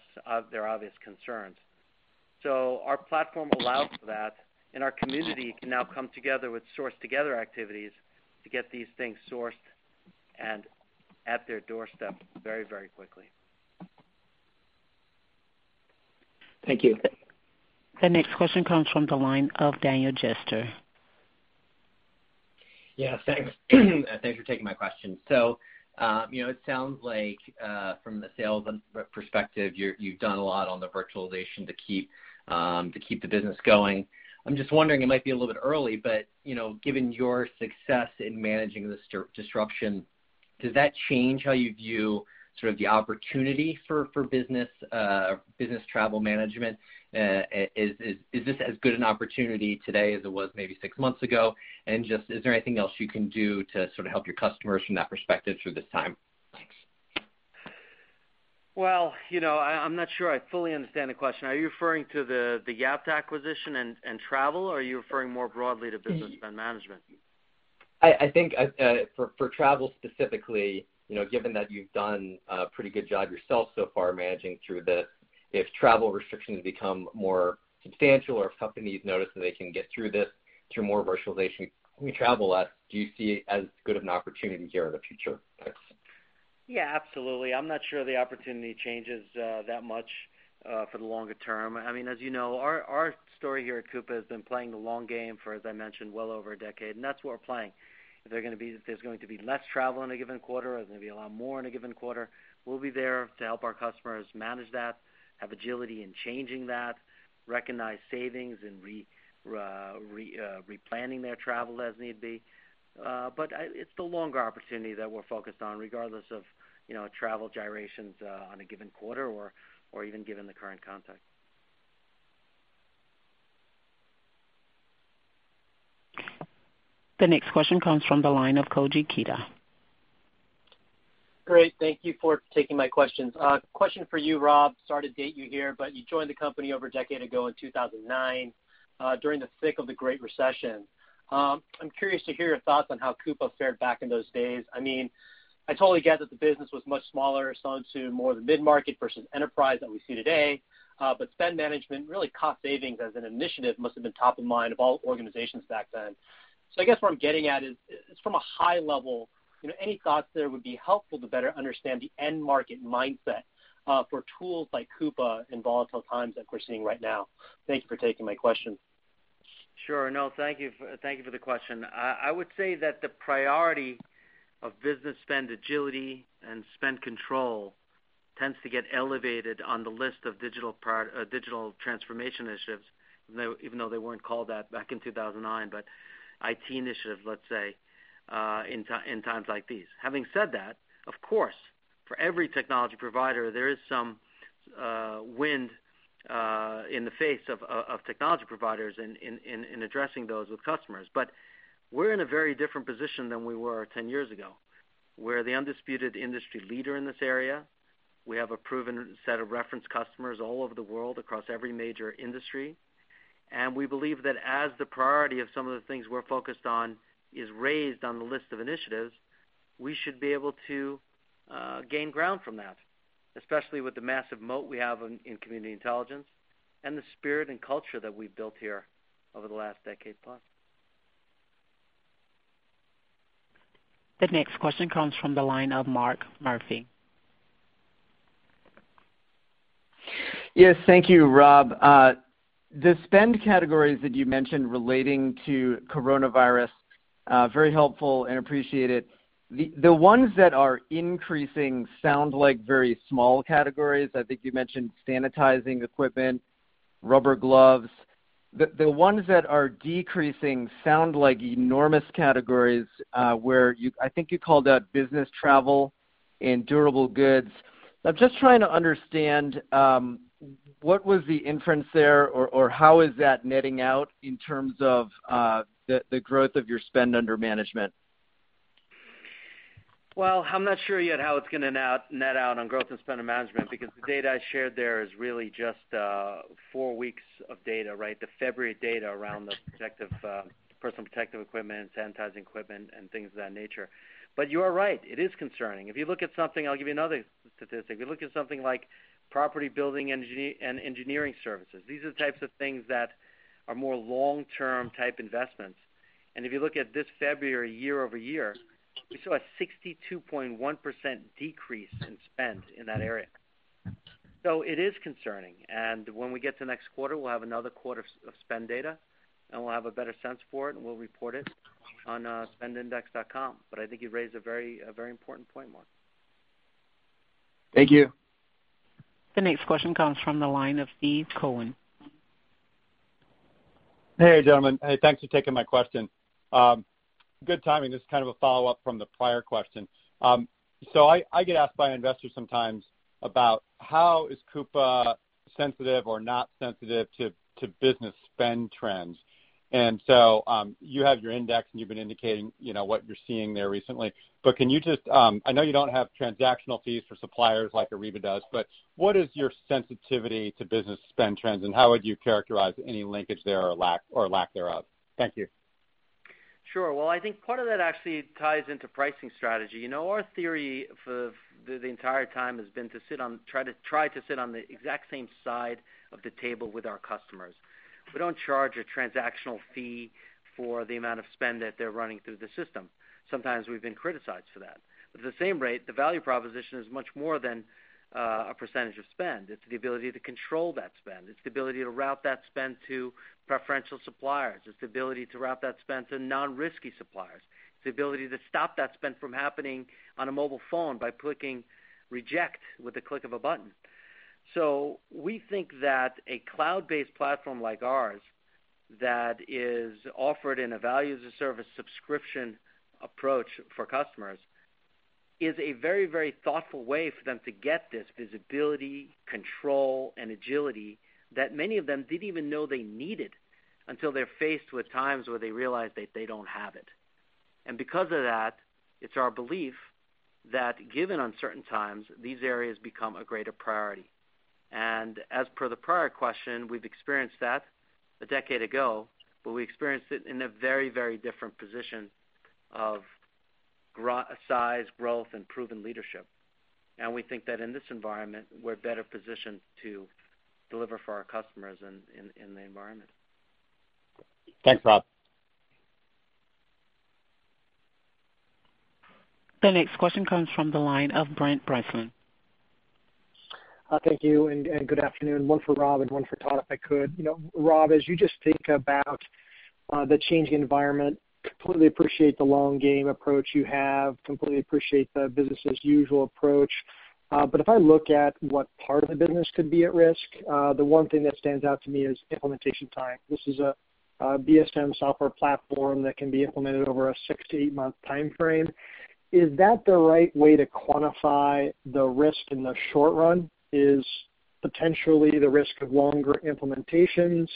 their obvious concerns. Our platform allows for that, and our community can now come together with source together activities to get these things sourced and at their doorstep very quickly. Thank you. The next question comes from the line of Daniel Jester. Yeah. Thanks for taking my question. It sounds like from the sales perspective, you've done a lot on the virtualization to keep the business going. I'm just wondering, it might be a little bit early, given your success in managing this disruption, does that change how you view sort of the opportunity for business travel management? Is this as good an opportunity today as it was maybe six months ago? Just, is there anything else you can do to sort of help your customers from that perspective through this time? Thanks. I'm not sure I fully understand the question. Are you referring to the Yapta acquisition and travel, or are you referring more broadly to Business Spend Management? I think, for travel specifically, given that you've done a pretty good job yourself so far managing through this, if travel restrictions become more substantial or if companies notice that they can get through this through more virtualization, we travel less, do you see it as good of an opportunity here in the future? Thanks. Yeah, absolutely. I'm not sure the opportunity changes that much for the longer term. As you know, our story here at Coupa has been playing the long game for, as I mentioned, well over a decade, and that's what we're playing. If there's going to be less travel in a given quarter, or there's going to be a lot more in a given quarter, we'll be there to help our customers manage that, have agility in changing that, recognize savings and replanning their travel as need be. It's the longer opportunity that we're focused on regardless of travel gyrations on a given quarter or even given the current context. The next question comes from the line of Koji Ikeda. Great. Thank you for taking my questions. Question for you, Rob. Sorry to date you here, but you joined the company over a decade ago in 2009, during the thick of the Great Recession. I'm curious to hear your thoughts on how Coupa fared back in those days. I totally get that the business was much smaller, selling to more of the mid-market versus enterprise that we see today. Spend management, really cost savings as an initiative must have been top of mind of all organizations back then. I guess what I'm getting at is, from a high level, any thoughts there would be helpful to better understand the end market mindset for tools like Coupa in volatile times like we're seeing right now. Thank you for taking my question. Sure. No, thank you for the question. I would say that the priority of business spend agility and spend control tends to get elevated on the list of digital transformation initiatives, even though they weren't called that back in 2009, but IT initiatives, let's say, in times like these. Having said that, of course, for every technology provider, there is some wind in the face of technology providers in addressing those with customers. We're in a very different position than we were 10 years ago, where the undisputed industry leader in this area, we have a proven set of reference customers all over the world across every major industry. We believe that as the priority of some of the things we're focused on is raised on the list of initiatives, we should be able to gain ground from that, especially with the massive moat we have in Community Intelligence and the spirit and culture that we've built here over the last decade plus. The next question comes from the line of Mark Murphy. Yes. Thank you, Rob. The spend categories that you mentioned relating to coronavirus, very helpful and appreciated. The ones that are increasing sound like very small categories. I think you mentioned sanitizing equipment, rubber gloves. The ones that are decreasing sound like enormous categories, where I think you called out business travel and durable goods. I'm just trying to understand what was the inference there or how is that netting out in terms of the growth of your spend under management? Well, I'm not sure yet how it's going to net out on growth and spend under management because the data I shared there is really just four weeks of data, right, the February data around the personal protective equipment, sanitizing equipment, and things of that nature. You are right, it is concerning. If you look at something, I'll give you another statistic. If you look at something like property building and engineering services, these are the types of things that are more long-term type investments. If you look at this February year-over-year, we saw a 62.1% decrease in spend in that area. It is concerning. When we get to next quarter, we'll have another quarter of spend data, and we'll have a better sense for it, and we'll report it on spendindex.com. I think you've raised a very important point, Mark. Thank you. The next question comes from the line of Steve Koenig. Hey, gentlemen. Hey, thanks for taking my question. Good timing. This is kind of a follow-up from the prior question. I get asked by investors sometimes about how is Coupa sensitive or not sensitive to business spend trends. You have your index, and you've been indicating what you're seeing there recently. I know you don't have transactional fees for suppliers like Ariba does, what is your sensitivity to business spend trends, and how would you characterize any linkage there or lack thereof? Thank you. Sure. Well, I think part of that actually ties into pricing strategy. Our theory for the entire time has been to try to sit on the exact same side of the table with our customers. We don't charge a transactional fee for the amount of spend that they're running through the system. Sometimes we've been criticized for that. At the same rate, the value proposition is much more than a percentage of spend. It's the ability to control that spend. It's the ability to route that spend to preferential suppliers. It's the ability to route that spend to non-risky suppliers. It's the ability to stop that spend from happening on a mobile phone by clicking reject with the click of a button. We think that a cloud-based platform like ours, that is offered in a value as a service subscription approach for customers, is a very, very thoughtful way for them to get this visibility, control, and agility that many of them didn't even know they needed until they're faced with times where they realize that they don't have it. Because of that, it's our belief that given uncertain times, these areas become a greater priority. As per the prior question, we've experienced that a decade ago, but we experienced it in a very, very different position of size, growth, and proven leadership. We think that in this environment, we're better positioned to deliver for our customers in the environment. Thanks, Rob. The next question comes from the line of Brent Thill. Thank you, and good afternoon. One for Rob and one for Todd, if I could. Rob, as you just think about the changing environment, completely appreciate the long game approach you have, completely appreciate the business as usual approach. If I look at what part of the business could be at risk, the one thing that stands out to me is implementation time. This is a BSM software platform that can be implemented over a six-eight month time frame. Is that the right way to quantify the risk in the short run? Is potentially the risk of longer implementations,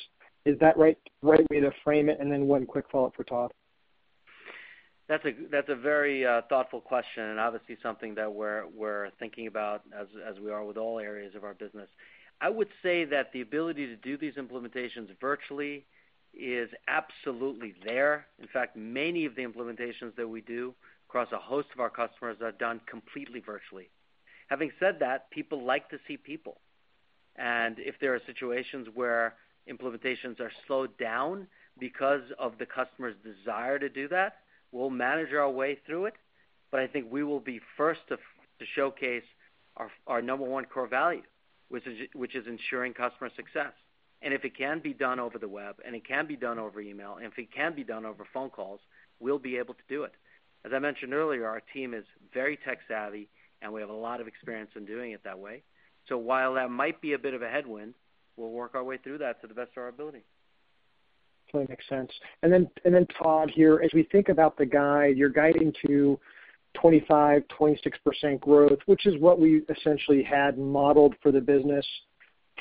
is that right way to frame it? One quick follow-up for Todd. That's a very thoughtful question. Obviously something that we're thinking about as we are with all areas of our business. I would say that the ability to do these implementations virtually is absolutely there. In fact, many of the implementations that we do across a host of our customers are done completely virtually. Having said that, people like to see people. If there are situations where implementations are slowed down because of the customer's desire to do that, we'll manage our way through it. I think we will be first to showcase our number one core value, which is ensuring customer success. If it can be done over the web, and it can be done over email, and if it can be done over phone calls, we'll be able to do it. As I mentioned earlier, our team is very tech savvy, and we have a lot of experience in doing it that way. While that might be a bit of a headwind, we'll work our way through that to the best of our ability. Totally makes sense. Todd, here, as we think about the guide, you're guiding to 25%-26% growth, which is what we essentially had modeled for the business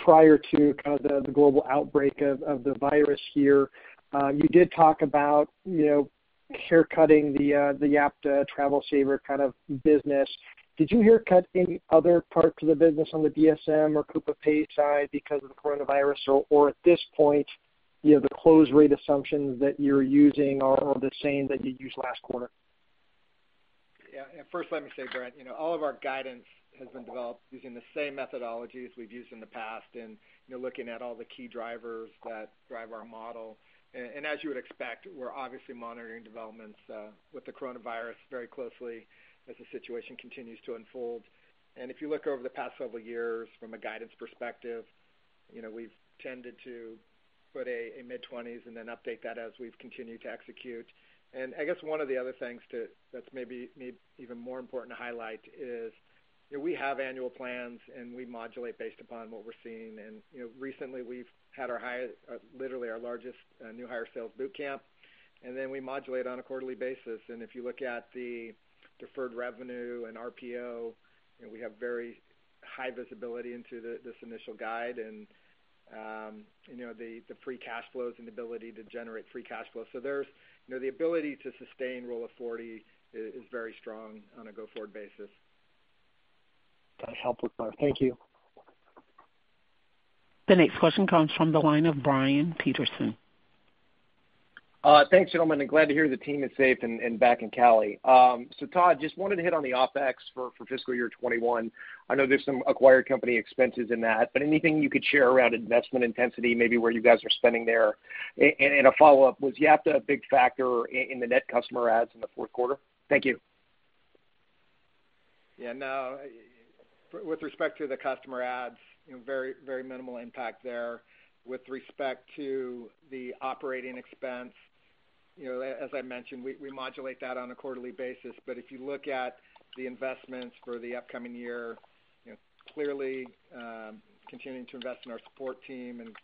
prior to kind of the global outbreak of the virus here. You did talk about hair cutting the Yapta TravelSaver kind of business. Did you haircut any other parts of the business on the BSM or Coupa Pay side because of the coronavirus? At this point, the close rate assumptions that you're using are the same that you used last quarter? Yeah. First let me say, Brent, all of our guidance has been developed using the same methodologies we've used in the past, and looking at all the key drivers that drive our model. As you would expect, we're obviously monitoring developments with the coronavirus very closely as the situation continues to unfold. If you look over the past several years from a guidance perspective, we've tended to put a mid-20s and then update that as we've continued to execute. I guess one of the other things that's maybe even more important to highlight is, we have annual plans, and we modulate based upon what we're seeing. Recently, we've had literally our largest new hire sales boot camp, and then we modulate on a quarterly basis. If you look at the deferred revenue and RPO, we have very high visibility into this initial guide and the free cash flows and ability to generate free cash flow. The ability to sustain Rule of 40 is very strong on a go-forward basis. That's helpful, Todd. Thank you. The next question comes from the line of Brian Peterson. Thanks, gentlemen. I'm glad to hear the team is safe and back in Cali. Todd, just wanted to hit on the OpEx for fiscal year 2021. I know there's some acquired company expenses in that, but anything you could share around investment intensity, maybe where you guys are spending there? A follow-up, was Yapta a big factor in the net customer adds in the Q4? Thank you. Yeah, no. With respect to the customer adds, very minimal impact there. With respect to the operating expense, as I mentioned, we modulate that on a quarterly basis. If you look at the investments for the upcoming year, clearly continuing to invest in our support team and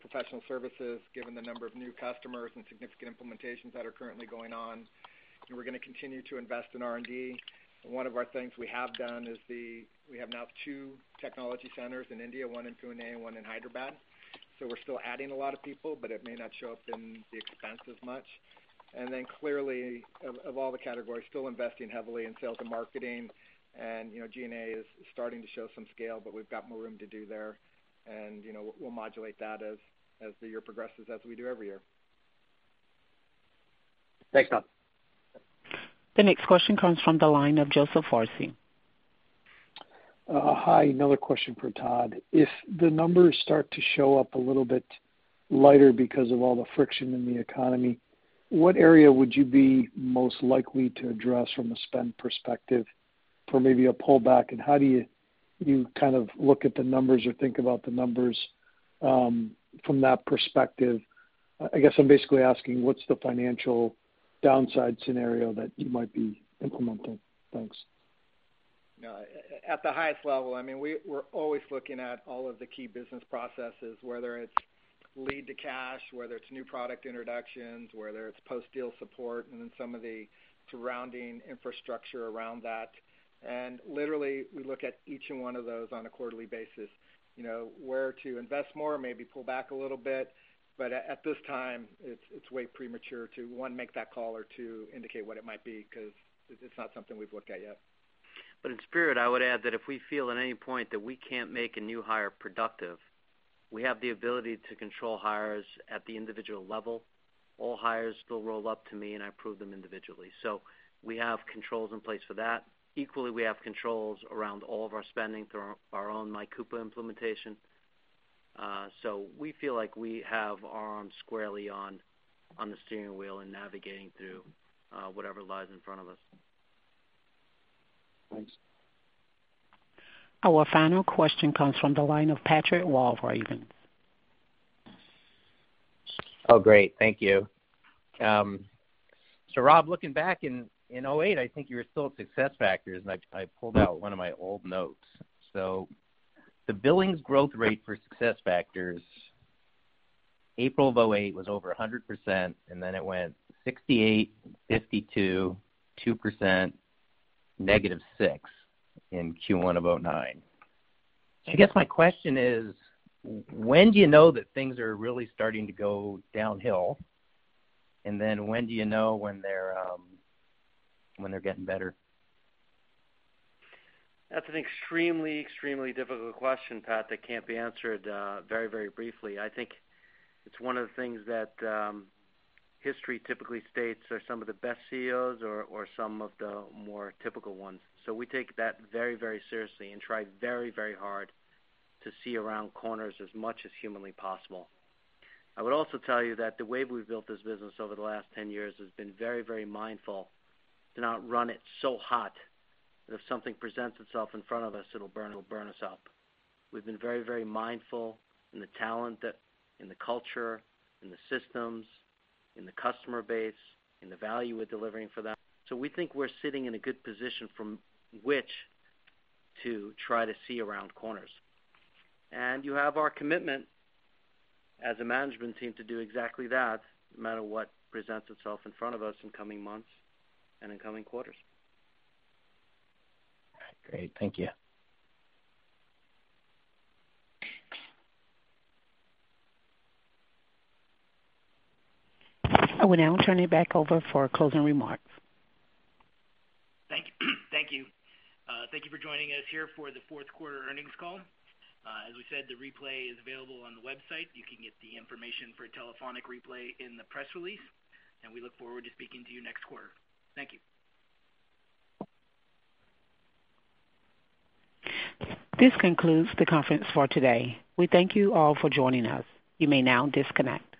professional services, given the number of new customers and significant implementations that are currently going on. We're going to continue to invest in R&D. One of our things we have done is we have now two technology centers in India, one in Pune and one in Hyderabad. We're still adding a lot of people, but it may not show up in the expense as much. Clearly, of all the categories, still investing heavily in sales and marketing, and G&A is starting to show some scale, but we've got more room to do there. We'll modulate that as the year progresses, as we do every year. Thanks, Todd. The next question comes from the line of Joseph Foresi. Hi. Another question for Todd. If the numbers start to show up a little bit lighter because of all the friction in the economy, what area would you be most likely to address from a spend perspective for maybe a pullback? How do you look at the numbers or think about the numbers from that perspective? I guess I'm basically asking what's the financial downside scenario that you might be implementing? Thanks. At the highest level, we're always looking at all of the key business processes, whether it's lead to cash, whether it's new product introductions, whether it's post-deal support, and then some of the surrounding infrastructure around that. Literally, we look at each one of those on a quarterly basis, where to invest more, maybe pull back a little bit. At this time, it's way premature to, one, make that call, or two, indicate what it might be, because it's not something we've looked at yet. In spirit, I would add that if we feel at any point that we can't make a new hire productive, we have the ability to control hires at the individual level. All hires still roll up to me, and I approve them individually. We have controls in place for that. Equally, we have controls around all of our spending through our own MyCoupa implementation. We feel like we have our arms squarely on the steering wheel and navigating through whatever lies in front of us. Thanks. Our final question comes from the line of Patrick Walravens. Great. Thank you. Rob, looking back in 2008, I think you were still at SuccessFactors, and I pulled out one of my old notes. The billings growth rate for SuccessFactors, April of 2008, was over 100%, it went 68%, 52%, two percent, -six percent in Q1 of 2009. I guess my question is, when do you know that things are really starting to go downhill? When do you know when they're getting better? That's an extremely difficult question, Pat, that can't be answered very briefly. I think it's one of the things that history typically states are some of the best CEOs or some of the more typical ones. We take that very seriously and try very hard to see around corners as much as humanly possible. I would also tell you that the way we've built this business over the last 10 years has been very mindful to not run it so hot that if something presents itself in front of us, it'll burn us up. We've been very mindful in the talent, in the culture, in the systems, in the customer base, in the value we're delivering for them. We think we're sitting in a good position from which to try to see around corners. You have our commitment as a management team to do exactly that, no matter what presents itself in front of us in coming months and in coming quarters. All right. Great. Thank you. I will now turn it back over for closing remarks. Thank you. Thank you for joining us here for the Q4 earnings call. As we said, the replay is available on the website. You can get the information for a telephonic replay in the press release, and we look forward to speaking to you next quarter. Thank you. This concludes the conference for today. We thank you all for joining us. You may now disconnect.